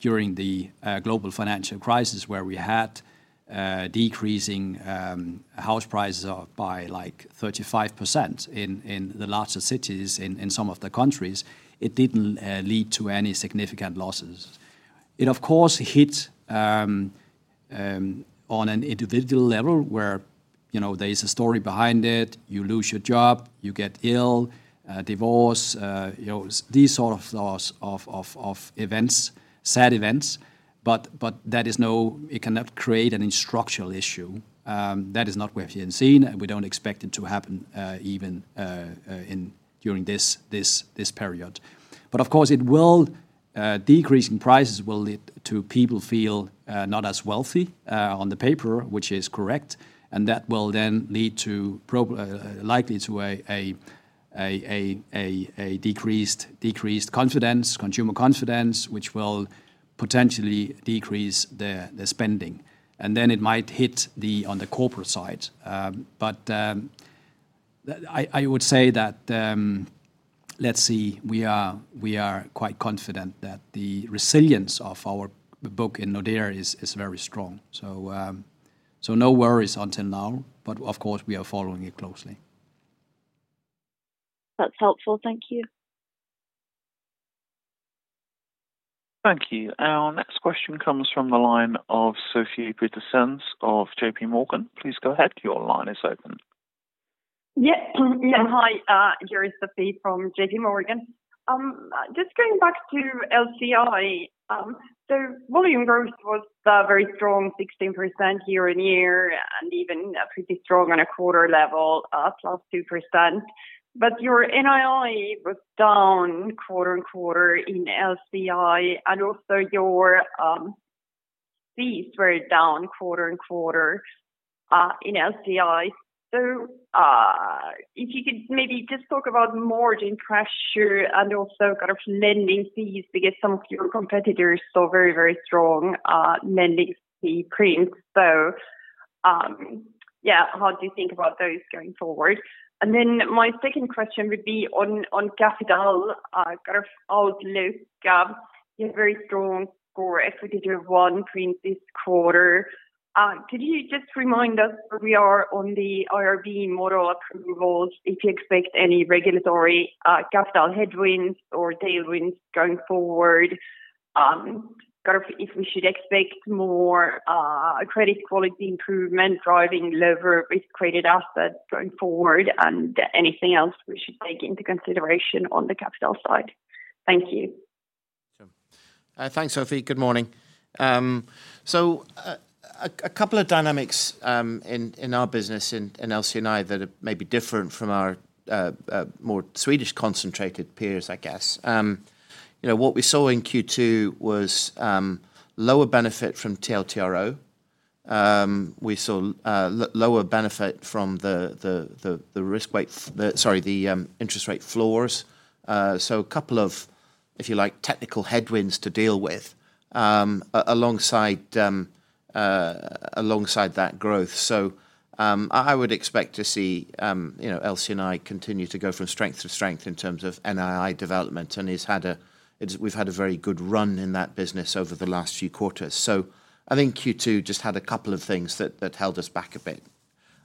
Speaker 2: during the global financial crisis where we had decreasing house prices by like 35% in the larger cities in some of the countries, it didn't lead to any significant losses. It of course hit on an individual level where, you know, there is a story behind it. You lose your job, you get ill, divorce, you know, these sort of loss events, sad events.
Speaker 5: It cannot create any structural issue. That is not what we have seen, and we don't expect it to happen, even during this period. Of course it will, decreasing prices will lead to people feel not as wealthy on paper, which is correct, and that will then lead to likely a decreased confidence, consumer confidence, which will potentially decrease the spending. Then it might hit on the corporate side. I would say that, let's see, we are quite confident that the resilience of our book in Nordea is very strong. No worries until now, but of course we are following it closely.
Speaker 9: That's helpful. Thank you.
Speaker 3: Thank you. Our next question comes from the line of Sophie Petersen of JPMorgan. Please go ahead. Your line is open.
Speaker 10: Yeah. Hi, here is Sophie from JPMorgan. Just going back to LC&I. Volume growth was very strong, 16% year-on-year, and even pretty strong on a quarter level, +2%. Your NII was down quarter-on-quarter in LC&I and also your fees were down quarter-on-quarter in LC&I. If you could maybe just talk about margin pressure and also kind of lending fees too, given some of your competitors' very, very strong lending fee prints. Yeah, how do you think about those going forward? Then my second question would be on capital kind of outlook. You have very strong Core Equity Tier 1 print this quarter. Could you just remind us where we are on the IRB model approvals if you expect any regulatory capital headwinds or tailwinds going forward? Kind of if we should expect more credit quality improvement driving lower with credit assets going forward and anything else we should take into consideration on the capital side. Thank you.
Speaker 5: Sure. Thanks, Sophie. Good morning. A couple of dynamics in our business in LC&I that are maybe different from our more Swedish concentrated peers, I guess. You know, what we saw in Q2 was lower benefit from TLTRO. We saw lower benefit from the interest rate floors. A couple of, if you like, technical headwinds to deal with alongside that growth. I would expect to see, you know, LC&I continue to go from strength to strength in terms of NII development, and we've had a very good run in that business over the last few quarters. I think Q2 just had a couple of things that held us back a bit.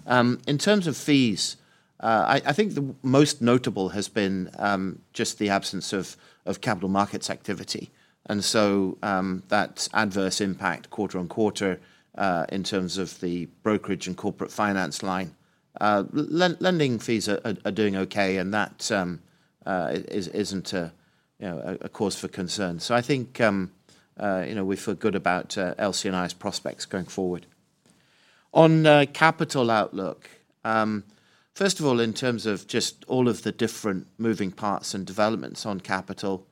Speaker 5: In terms of fees, I think the most notable has been just the absence of capital markets activity, and so that adverse impact quarter-on-quarter in terms of the brokerage and corporate finance line. Lending fees are doing okay, and that isn't a, you know, a cause for concern. I think, you know, we feel good about LC&I's prospects going forward. On capital outlook, first of all, in terms of just all of the different moving parts and developments on capital,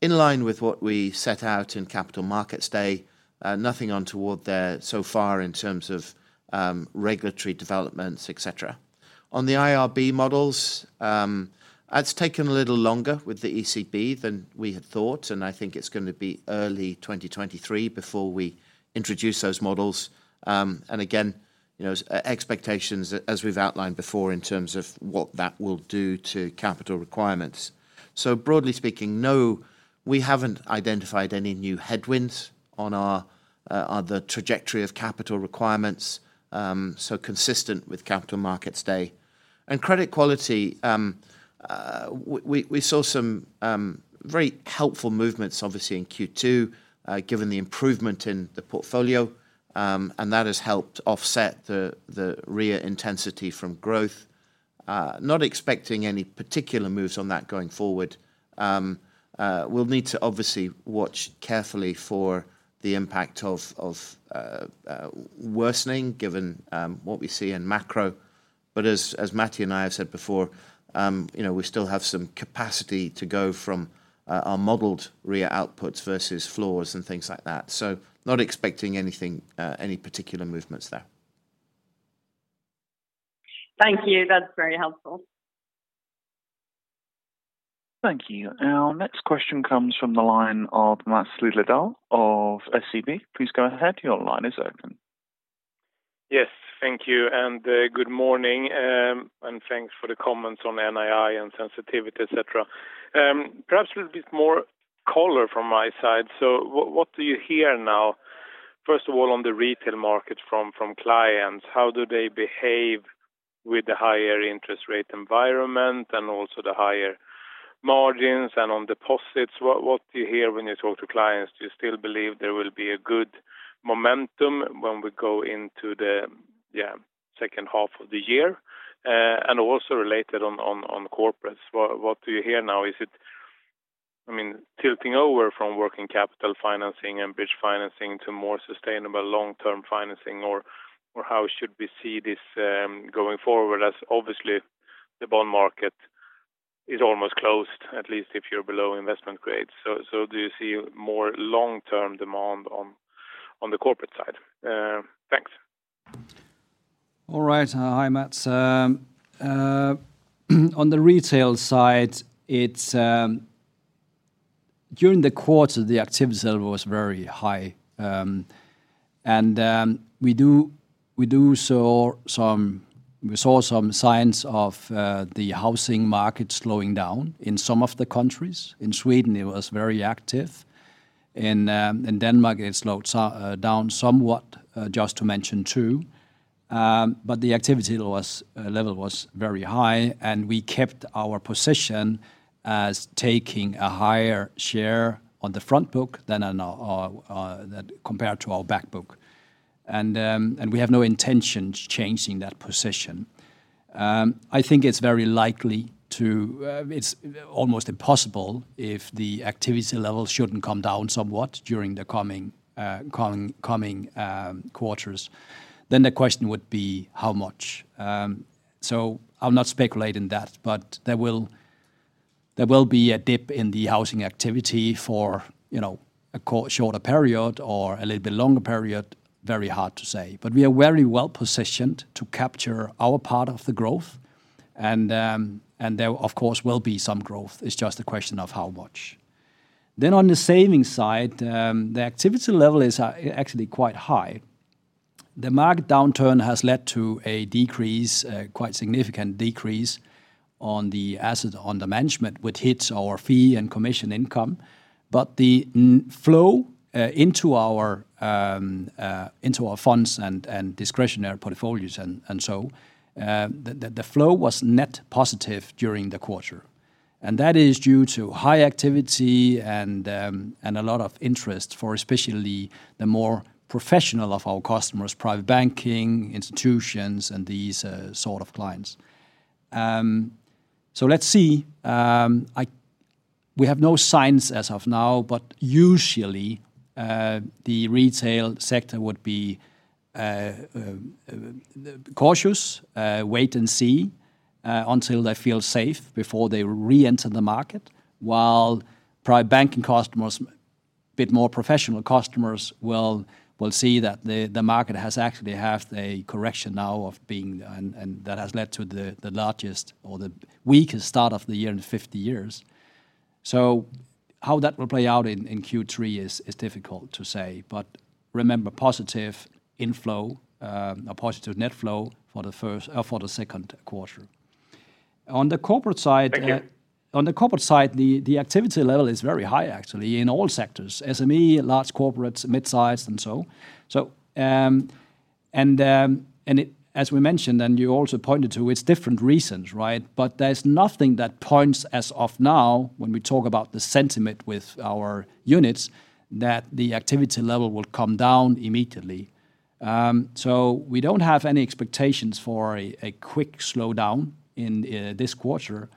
Speaker 5: in line with what we set out in Capital Markets Day, nothing untoward there so far in terms of regulatory developments, etc. On the IRB models, it's taken a little longer with the ECB than we had thought, and I think it's gonna be early 2023 before we introduce those models. And again, you know, expectations as we've outlined before in terms of what that will do to capital requirements. So broadly speaking, no, we haven't identified any new headwinds on our on the trajectory of capital requirements, so consistent with Capital Markets Day. Credit quality, we saw some very helpful movements obviously in Q2, given the improvement in the portfolio, and that has helped offset the the REA intensity from growth. Not expecting any particular moves on that going forward. We'll need to obviously watch carefully for the impact of worsening given what we see in macro. As Matti and I have said before, you know, we still have some capacity to go from our modeled REA outputs versus floors and things like that. Not expecting anything, any particular movements there.
Speaker 10: Thank you. That's very helpful.
Speaker 3: Thank you. Our next question comes from the line of Mats Torstendahl of SEB. Please go ahead. Your line is open.
Speaker 11: Yes. Thank you and, good morning, and thanks for the comments on NII and sensitivity, et cetera. Perhaps a little bit more color from my side. What do you hear now, first of all, on the retail market from clients? How do they behave with the higher interest rate environment and also the higher margins and on deposits? What do you hear when you talk to clients? Do you still believe there will be a good? Momentum when we go into the H2 of the year, and also related to corporates. What do you hear now? Is it, I mean, tilting over from working capital financing and bridge financing to more sustainable long-term financing? Or how should we see this going forward as obviously the bond market is almost closed, at least if you're below investment grade. So do you see more long-term demand on the corporate side? Thanks.
Speaker 2: All right. Hi, Mats. On the retail side, it's during the quarter, the activity level was very high. We saw some signs of the housing market slowing down in some of the countries. In Sweden, it was very active. In Denmark, it slowed down somewhat, just to mention two. The activity level was very high, and we kept our position as taking a higher share on the front book than that compared to our back book. We have no intentions changing that position. I think it's very likely, it's almost impossible if the activity level shouldn't come down somewhat during the coming quarters, then the question would be how much. I'll not speculate in that. There will be a dip in the housing activity for, you know, a shorter period or a little bit longer period, very hard to say. We are very well-positioned to capture our part of the growth and there, of course, will be some growth. It's just a question of how much. On the savings side, the activity level is actually quite high. The market downturn has led to a decrease, a quite significant decrease on the assets under management, which hits our fee and commission income. The net flow into our funds and discretionary portfolios, and the flow was net positive during the quarter, and that is due to high activity and a lot of interest for especially the more professional of our customers, private banking institutions and these sort of clients. We have no signs as of now, but usually the retail sector would be cautious wait-and-see until they feel safe before they reenter the market. While private banking customers, bit more professional customers will see that the market has actually had a correction now, and that has led to the largest or the weakest start of the year in 50 years. How that will play out in Q3 is difficult to say, but remember positive inflow, a positive net flow for the Q2. On the corporate side-
Speaker 11: Thank you.
Speaker 2: On the corporate side, the activity level is very high actually in all sectors, SME, large corporates, mid-size, and so. As we mentioned, and you also pointed to, it's different reasons, right? There's nothing that points as of now when we talk about the sentiment with our units, that the activity level will come down immediately. We don't have any expectations for a quick slowdown in this quarter.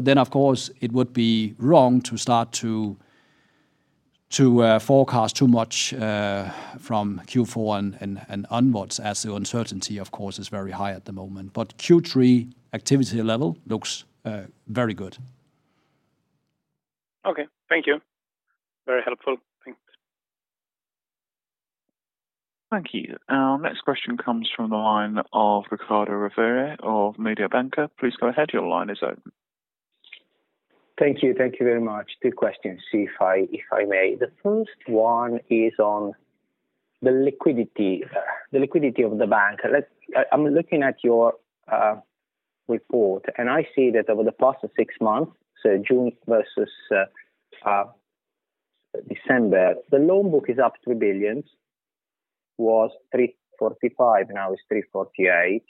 Speaker 2: Then, of course, it would be wrong to start to forecast too much from Q4 and onwards as the uncertainty, of course, is very high at the moment. Q3 activity level looks very good.
Speaker 11: Okay. Thank you. Very helpful. Thanks.
Speaker 3: Thank you. Our next question comes from the line of Riccardo Rovere of Mediobanca. Please go ahead. Your line is open.
Speaker 12: Thank you. Thank you very much. Two questions, if I may. The first one is on the liquidity of the bank. I'm looking at your report, and I see that over the past six months, so June versus December, the loan book is up 3 billion. Was 345 billion, now 348 billion.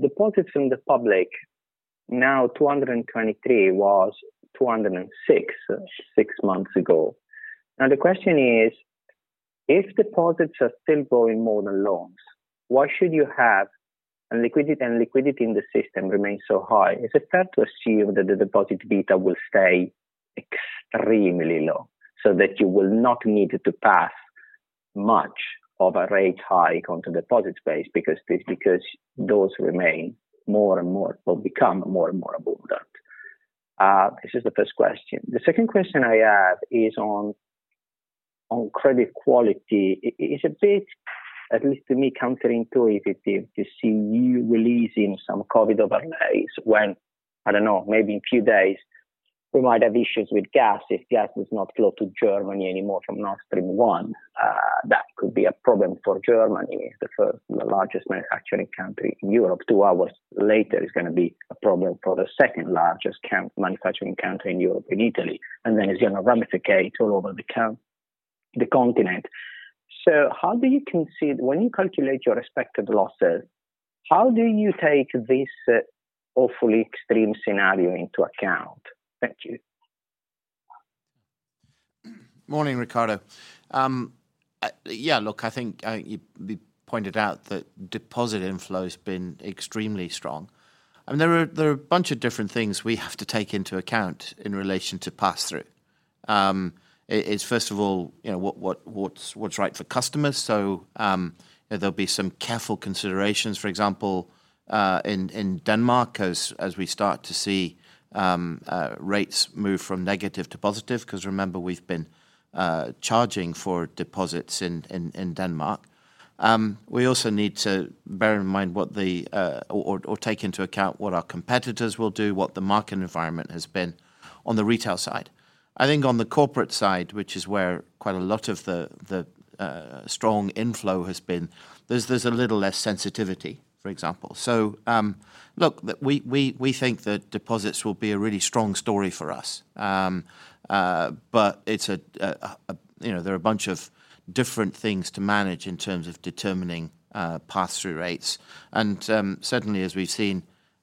Speaker 12: Deposits in the public, now 223 billion, was 206 billion, six months ago. Now the question is, if deposits are still growing more than loans, why should you have liquidity in the system remain so high? Is it fair to assume that the deposit beta will stay extremely low so that you will not need to pass much of a rate hike onto deposit base because those remain more and more or become more and more abundant? This is the first question. The second question I have is on credit quality. It's a bit, at least to me, counterintuitive to see you releasing some COVID overlays when, I don't know, maybe in few days we might have issues with gas if gas does not flow to Germany anymore from Nord Stream 1. That could be a problem for Germany, the first and the largest manufacturing country in Europe. Two hours later, it's gonna be a problem for the second-largest manufacturing country in Europe, in Italy, and then it's gonna ramificate all over the continent. How do you consider, when you calculate your expected losses, how do you take this awfully extreme scenario into account? Thank you.
Speaker 5: Morning, Riccardo. Yeah, look, I think you pointed out that deposit inflow's been extremely strong. I mean, there are a bunch of different things we have to take into account in relation to pass-through. It's first of all, you know, what's right for customers. There'll be some careful considerations, for example, in Denmark as we start to see rates move from negative to positive. 'Cause remember we've been charging for deposits in Denmark. We also need to take into account what our competitors will do, what the market environment has been on the retail side. I think on the corporate side, which is where quite a lot of the strong inflow has been, there's a little less sensitivity, for example. Look, we think that deposits will be a really strong story for us. It's, you know, there are a bunch of different things to manage in terms of determining pass-through rates. Certainly as we've seen,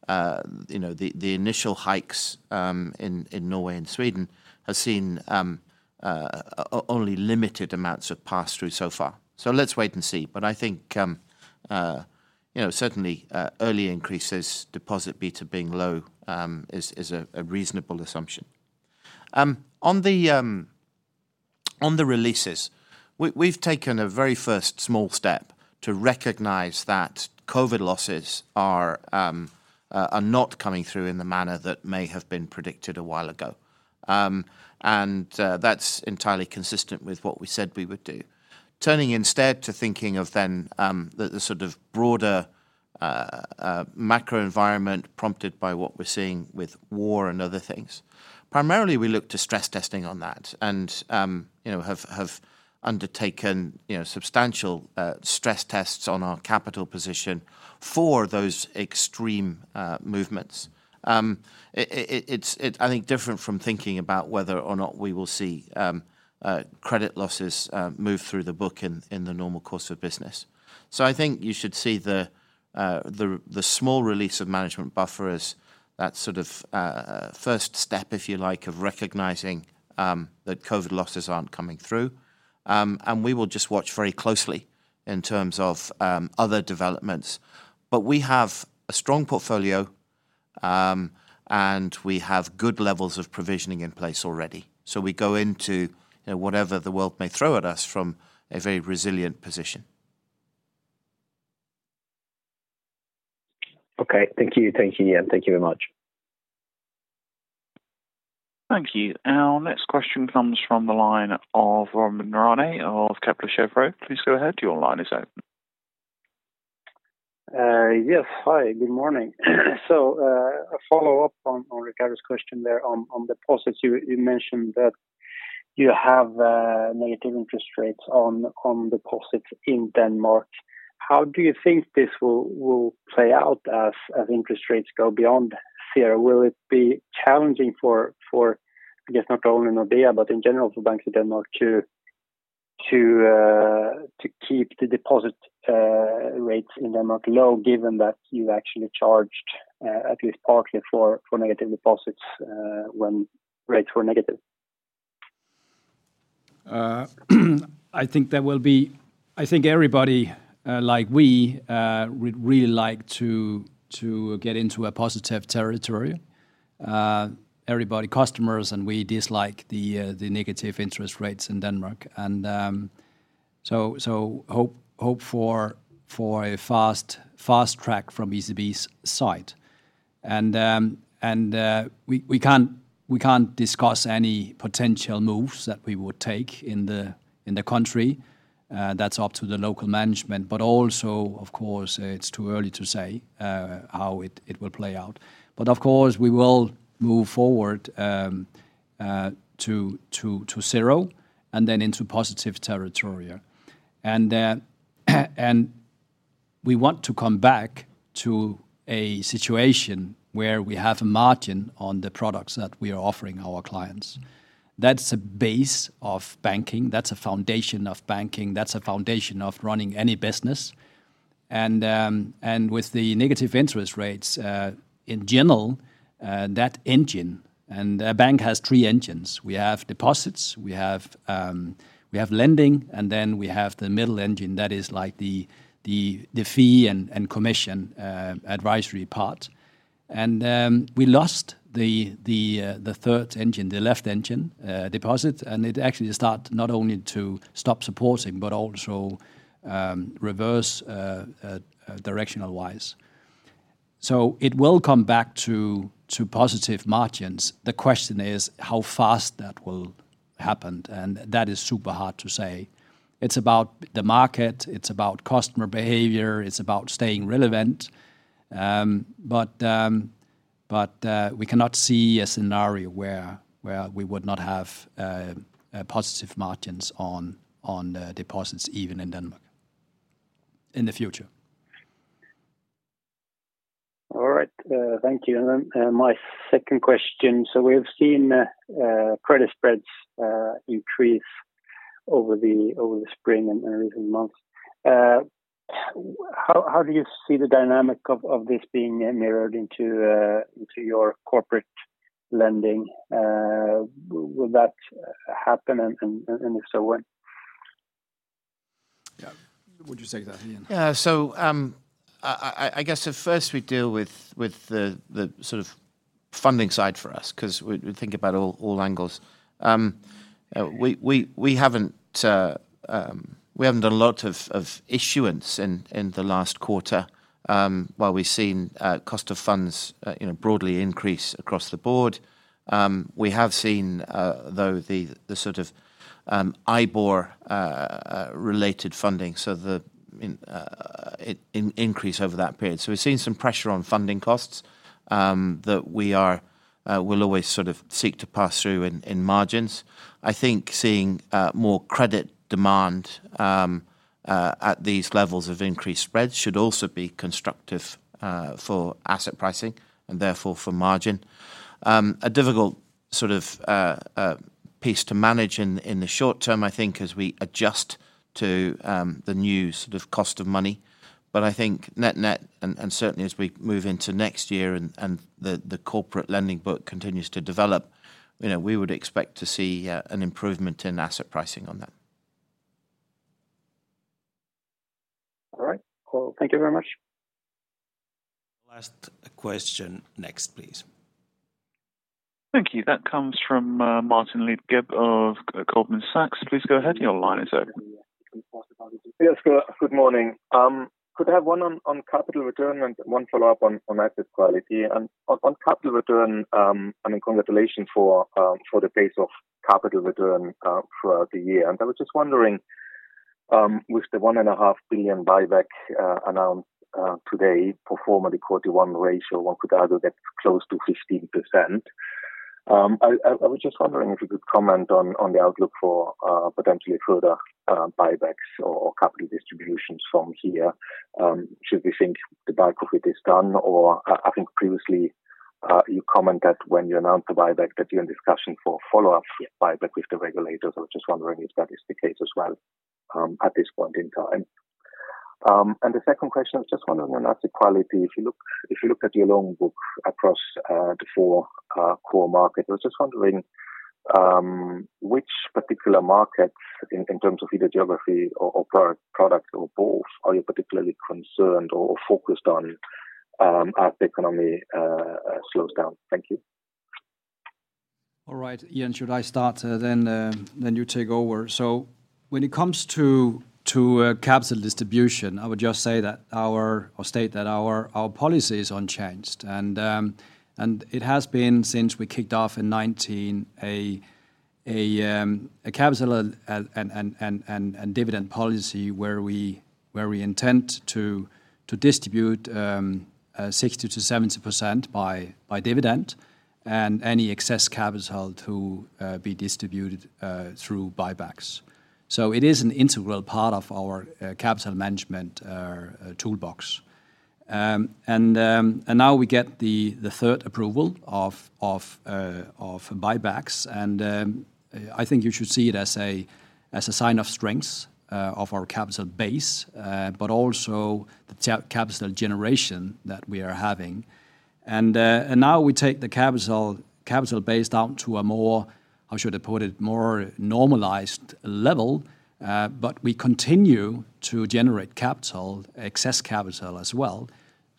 Speaker 5: you know, the initial hikes in Norway and Sweden has seen only limited amounts of pass-through so far. Let's wait and see. I think, you know, certainly early increases, deposit beta being low is a reasonable assumption. On the releases, we've taken a very first small step to recognize that COVID losses are not coming through in the manner that may have been predicted a while ago. That's entirely consistent with what we said we would do. Turning instead to thinking of then, the sort of broader macro environment prompted by what we're seeing with war and other things. Primarily, we look to stress testing on that and, you know, have undertaken, you know, substantial stress tests on our capital position for those extreme movements. It's, I think, different from thinking about whether or not we will see credit losses move through the book in the normal course of business. I think you should see the small release of management buffer as that sort of first step, if you like, of recognizing that COVID losses aren't coming through. We will just watch very closely in terms of other developments. We have a strong portfolio, and we have good levels of provisioning in place already. We go into, you know, whatever the world may throw at us from a very resilient position.
Speaker 12: Okay. Thank you. Yeah. Thank you very much.
Speaker 3: Thank you. Our next question comes from the line of Ronan Morane of Kepler Cheuvreux. Please go ahead. Your line is open.
Speaker 13: Yes. Hi, good morning. A follow-up on Riccardo's question there on deposits. You mentioned that you have negative interest rates on deposits in Denmark. How do you think this will play out as interest rates go beyond zero? Will it be challenging for, I guess, not only Nordea, but in general for banks in Denmark to keep the deposit rates in Denmark low, given that you actually charged at least partly for negative deposits when rates were negative?
Speaker 5: I think everybody would really like to get into a positive territory. Everybody, customers and we, dislike the negative interest rates in Denmark. So hope for a fast track from ECB's side. We can't discuss any potential moves that we would take in the country. That's up to the local management. Also, of course, it's too early to say how it will play out. Of course, we will move forward to zero and then into positive territory. We want to come back to a situation where we have a margin on the products that we are offering our clients. That's a base of banking. That's a foundation of banking. That's a foundation of running any business. With the negative interest rates, in general, that engine, and a bank has three engines. We have deposits, we have lending, and then we have the middle engine that is like the fee and commission advisory part. We lost the third engine, the left engine, deposits, and it actually start not only to stop supporting but also reverse directional wise. It will come back to positive margins. The question is how fast that will happen, and that is super hard to say. It's about the market, it's about customer behavior, it's about staying relevant. We cannot see a scenario where we would not have positive margins on the deposits even in Denmark in the future.
Speaker 13: All right. Thank you. My second question. We've seen credit spreads increase over the spring and recent months. How do you see the dynamic of this being mirrored into your corporate lending? Will that happen and if so, when?
Speaker 2: Yeah. Would you say that, Ian?
Speaker 5: Yeah. I guess so first we deal with the sort of funding side for us 'cause we think about all angles. We haven't done a lot of issuance in the last quarter while we've seen cost of funds, you know, broadly increase across the board. We have seen though the sort of IBOR related funding, so the increase over that period. We've seen some pressure on funding costs that we will always sort of seek to pass through in margins. I think seeing more credit demand at these levels of increased spreads should also be constructive for asset pricing and therefore for margin. A difficult sort of piece to manage in the short term, I think, as we adjust to the new sort of cost of money. I think net-net and certainly as we move into next year and the corporate lending book continues to develop, you know, we would expect to see an improvement in asset pricing on that.
Speaker 13: All right. Well, thank you very much.
Speaker 2: Last question next, please.
Speaker 3: Thank you. That comes from, Martin Leitgeb of Goldman Sachs. Please go ahead, your line is open.
Speaker 14: Yes. Good morning. Could I have one on capital return and one follow-up on asset quality? On capital return, I mean, congratulations for the pace of capital return throughout the year. I was just wondering, with the 1.5 billion buyback announced today pro forma the quarter one ratio, one could argue that's close to 15%. I was just wondering if you could comment on the outlook for potentially further buybacks or capital distributions from here. Should we think the bulk of it is done? Or I think previously you commented when you announced the buyback that you're in discussion for follow-up buyback with the regulators. I was just wondering if that is the case as well at this point in time. The second question, I was just wondering on asset quality, if you look at your loan book across the four core markets. I was just wondering which particular markets in terms of either geography or product or both are you particularly concerned or focused on as the economy slows down? Thank you.
Speaker 2: All right. Ian, should I start then? Then you take over. When it comes to capital distribution, I would just say that or state that our policy is unchanged, and it has been since we kicked off in 2019 a capital and dividend policy where we intend to distribute 60%-70% by dividend and any excess capital to be distributed through buybacks. It is an integral part of our capital management toolbox. Now we get the third approval of buybacks, and I think you should see it as a sign of strength of our capital base, but also the capital generation that we are having. Now we take the capital base down to a more, how should I put it, more normalized level, but we continue to generate capital, excess capital as well.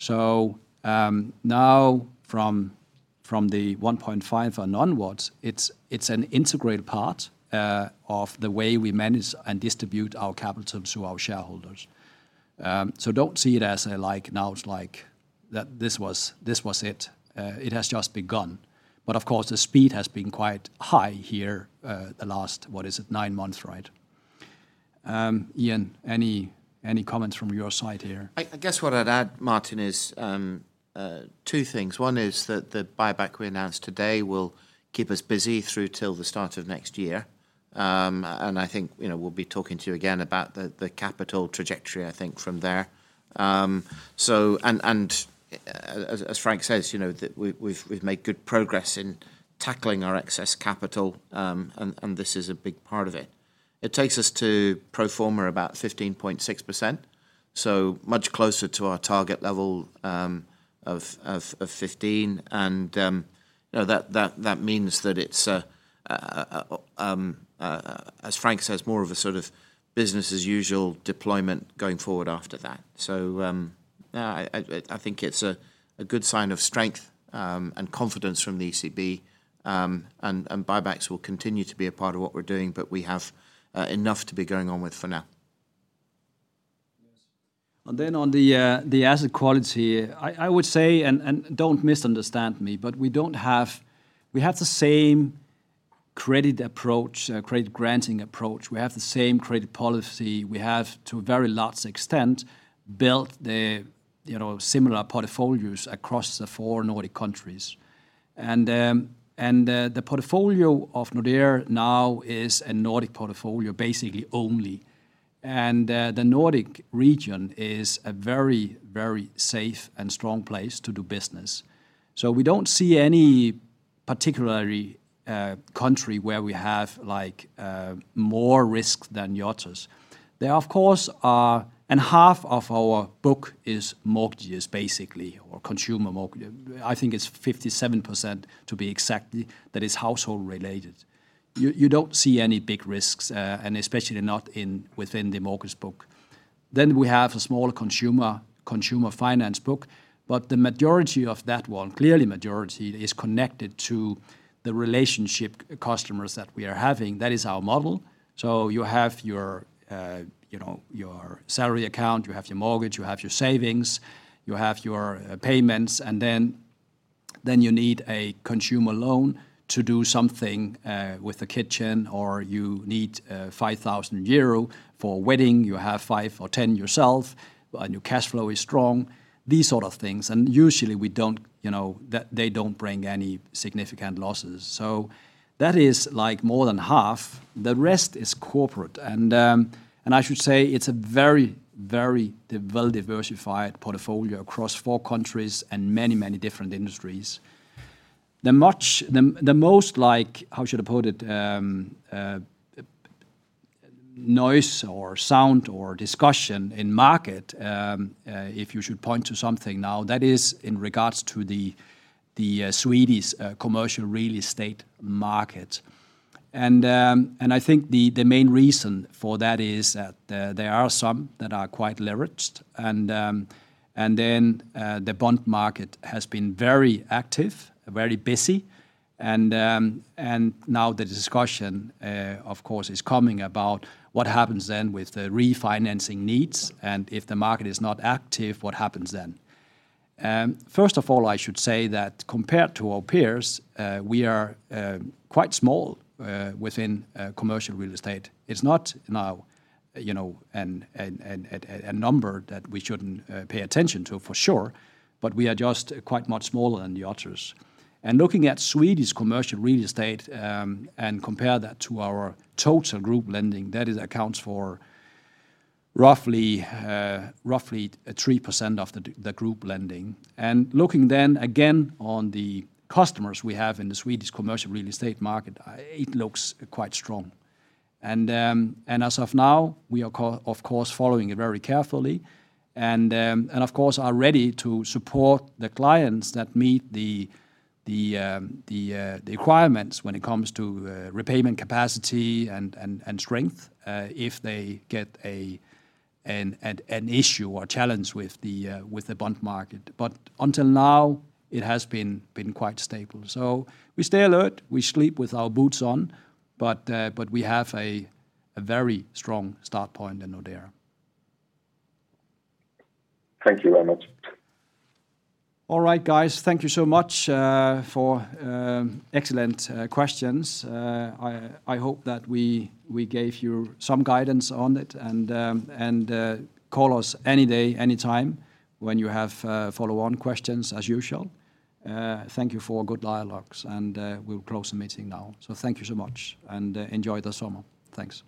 Speaker 2: Now from the 1.5 and onwards, it's an integrated part of the way we manage and distribute our capital to our shareholders. Don't see it as like now it's like that this was it. It has just begun. Of course, the speed has been quite high here the last nine months, right? Ian, any comments from your side here?
Speaker 5: I guess what I'd add, Martin, is two things. One is that the buyback we announced today will keep us busy through till the start of next year. I think, you know, we'll be talking to you again about the capital trajectory, I think from there. As Frank says, you know, that we've made good progress in tackling our excess capital, and this is a big part of it. It takes us to pro forma about 15.6%, so much closer to our target level of 15%. You know, that means that it's, as Frank says, more of a sort of business as usual deployment going forward after that. Yeah, I think it's a good sign of strength and confidence from the ECB, and buybacks will continue to be a part of what we're doing, but we have enough to be going on with for now.
Speaker 2: Yes. On the asset quality, I would say, don't misunderstand me, but we don't have. We have the same credit approach, credit granting approach. We have the same credit policy. We have, to a very large extent, built the, you know, similar portfolios across the four Nordic countries. The portfolio of Nordea now is a Nordic portfolio, basically only. The Nordic region is a very, very safe and strong place to do business. We don't see any particularly country where we have like more risk than the others. There of course are. Half of our book is mortgages basically, or consumer mortgage. I think it's 57% to be exact that is household related. You don't see any big risks, and especially not within the mortgage book. We have a small consumer finance book, but the majority of that one, clearly majority is connected to the relationship customers that we are having. That is our model. You have your, you know, your salary account, you have your mortgage, you have your savings, you have your payments, and then you need a consumer loan to do something with the kitchen or you need 5,000 euro for a wedding. You have 5 or 10 yourself, and your cash flow is strong, these sort of things. Usually we don't, you know, they don't bring any significant losses. That is like more than half. The rest is corporate. I should say it's a very well-diversified portfolio across four countries and many different industries. The most like, how should I put it? Noise or sound or discussion in the market if you should point to something now that is in regards to the Swedish commercial real estate market. I think the main reason for that is that there are some that are quite leveraged and then the bond market has been very active, very busy. Now the discussion, of course, is coming about what happens then with the refinancing needs, and if the market is not active, what happens then? First of all, I should say that compared to our peers, we are quite small within commercial real estate. It's not now, you know, a number that we shouldn't pay attention to for sure, but we are just quite much smaller than the others. Looking at Swedish commercial real estate and compare that to our total group lending, that accounts for roughly 3% of the group lending. Looking then again on the customers we have in the Swedish commercial real estate market, it looks quite strong. As of now, we are of course following it very carefully and of course are ready to support the clients that meet the requirements when it comes to repayment capacity and strength if they get an issue or challenge with the bond market. Until now, it has been quite stable. We stay alert, we sleep with our boots on, but we have a very strong start point in Nordea.
Speaker 14: Thank you very much.
Speaker 2: All right, guys. Thank you so much for excellent questions. I hope that we gave you some guidance on it and call us any day, any time when you have follow-on questions as usual. Thank you for good dialogues, and we'll close the meeting now. Thank you so much and enjoy the summer. Thanks.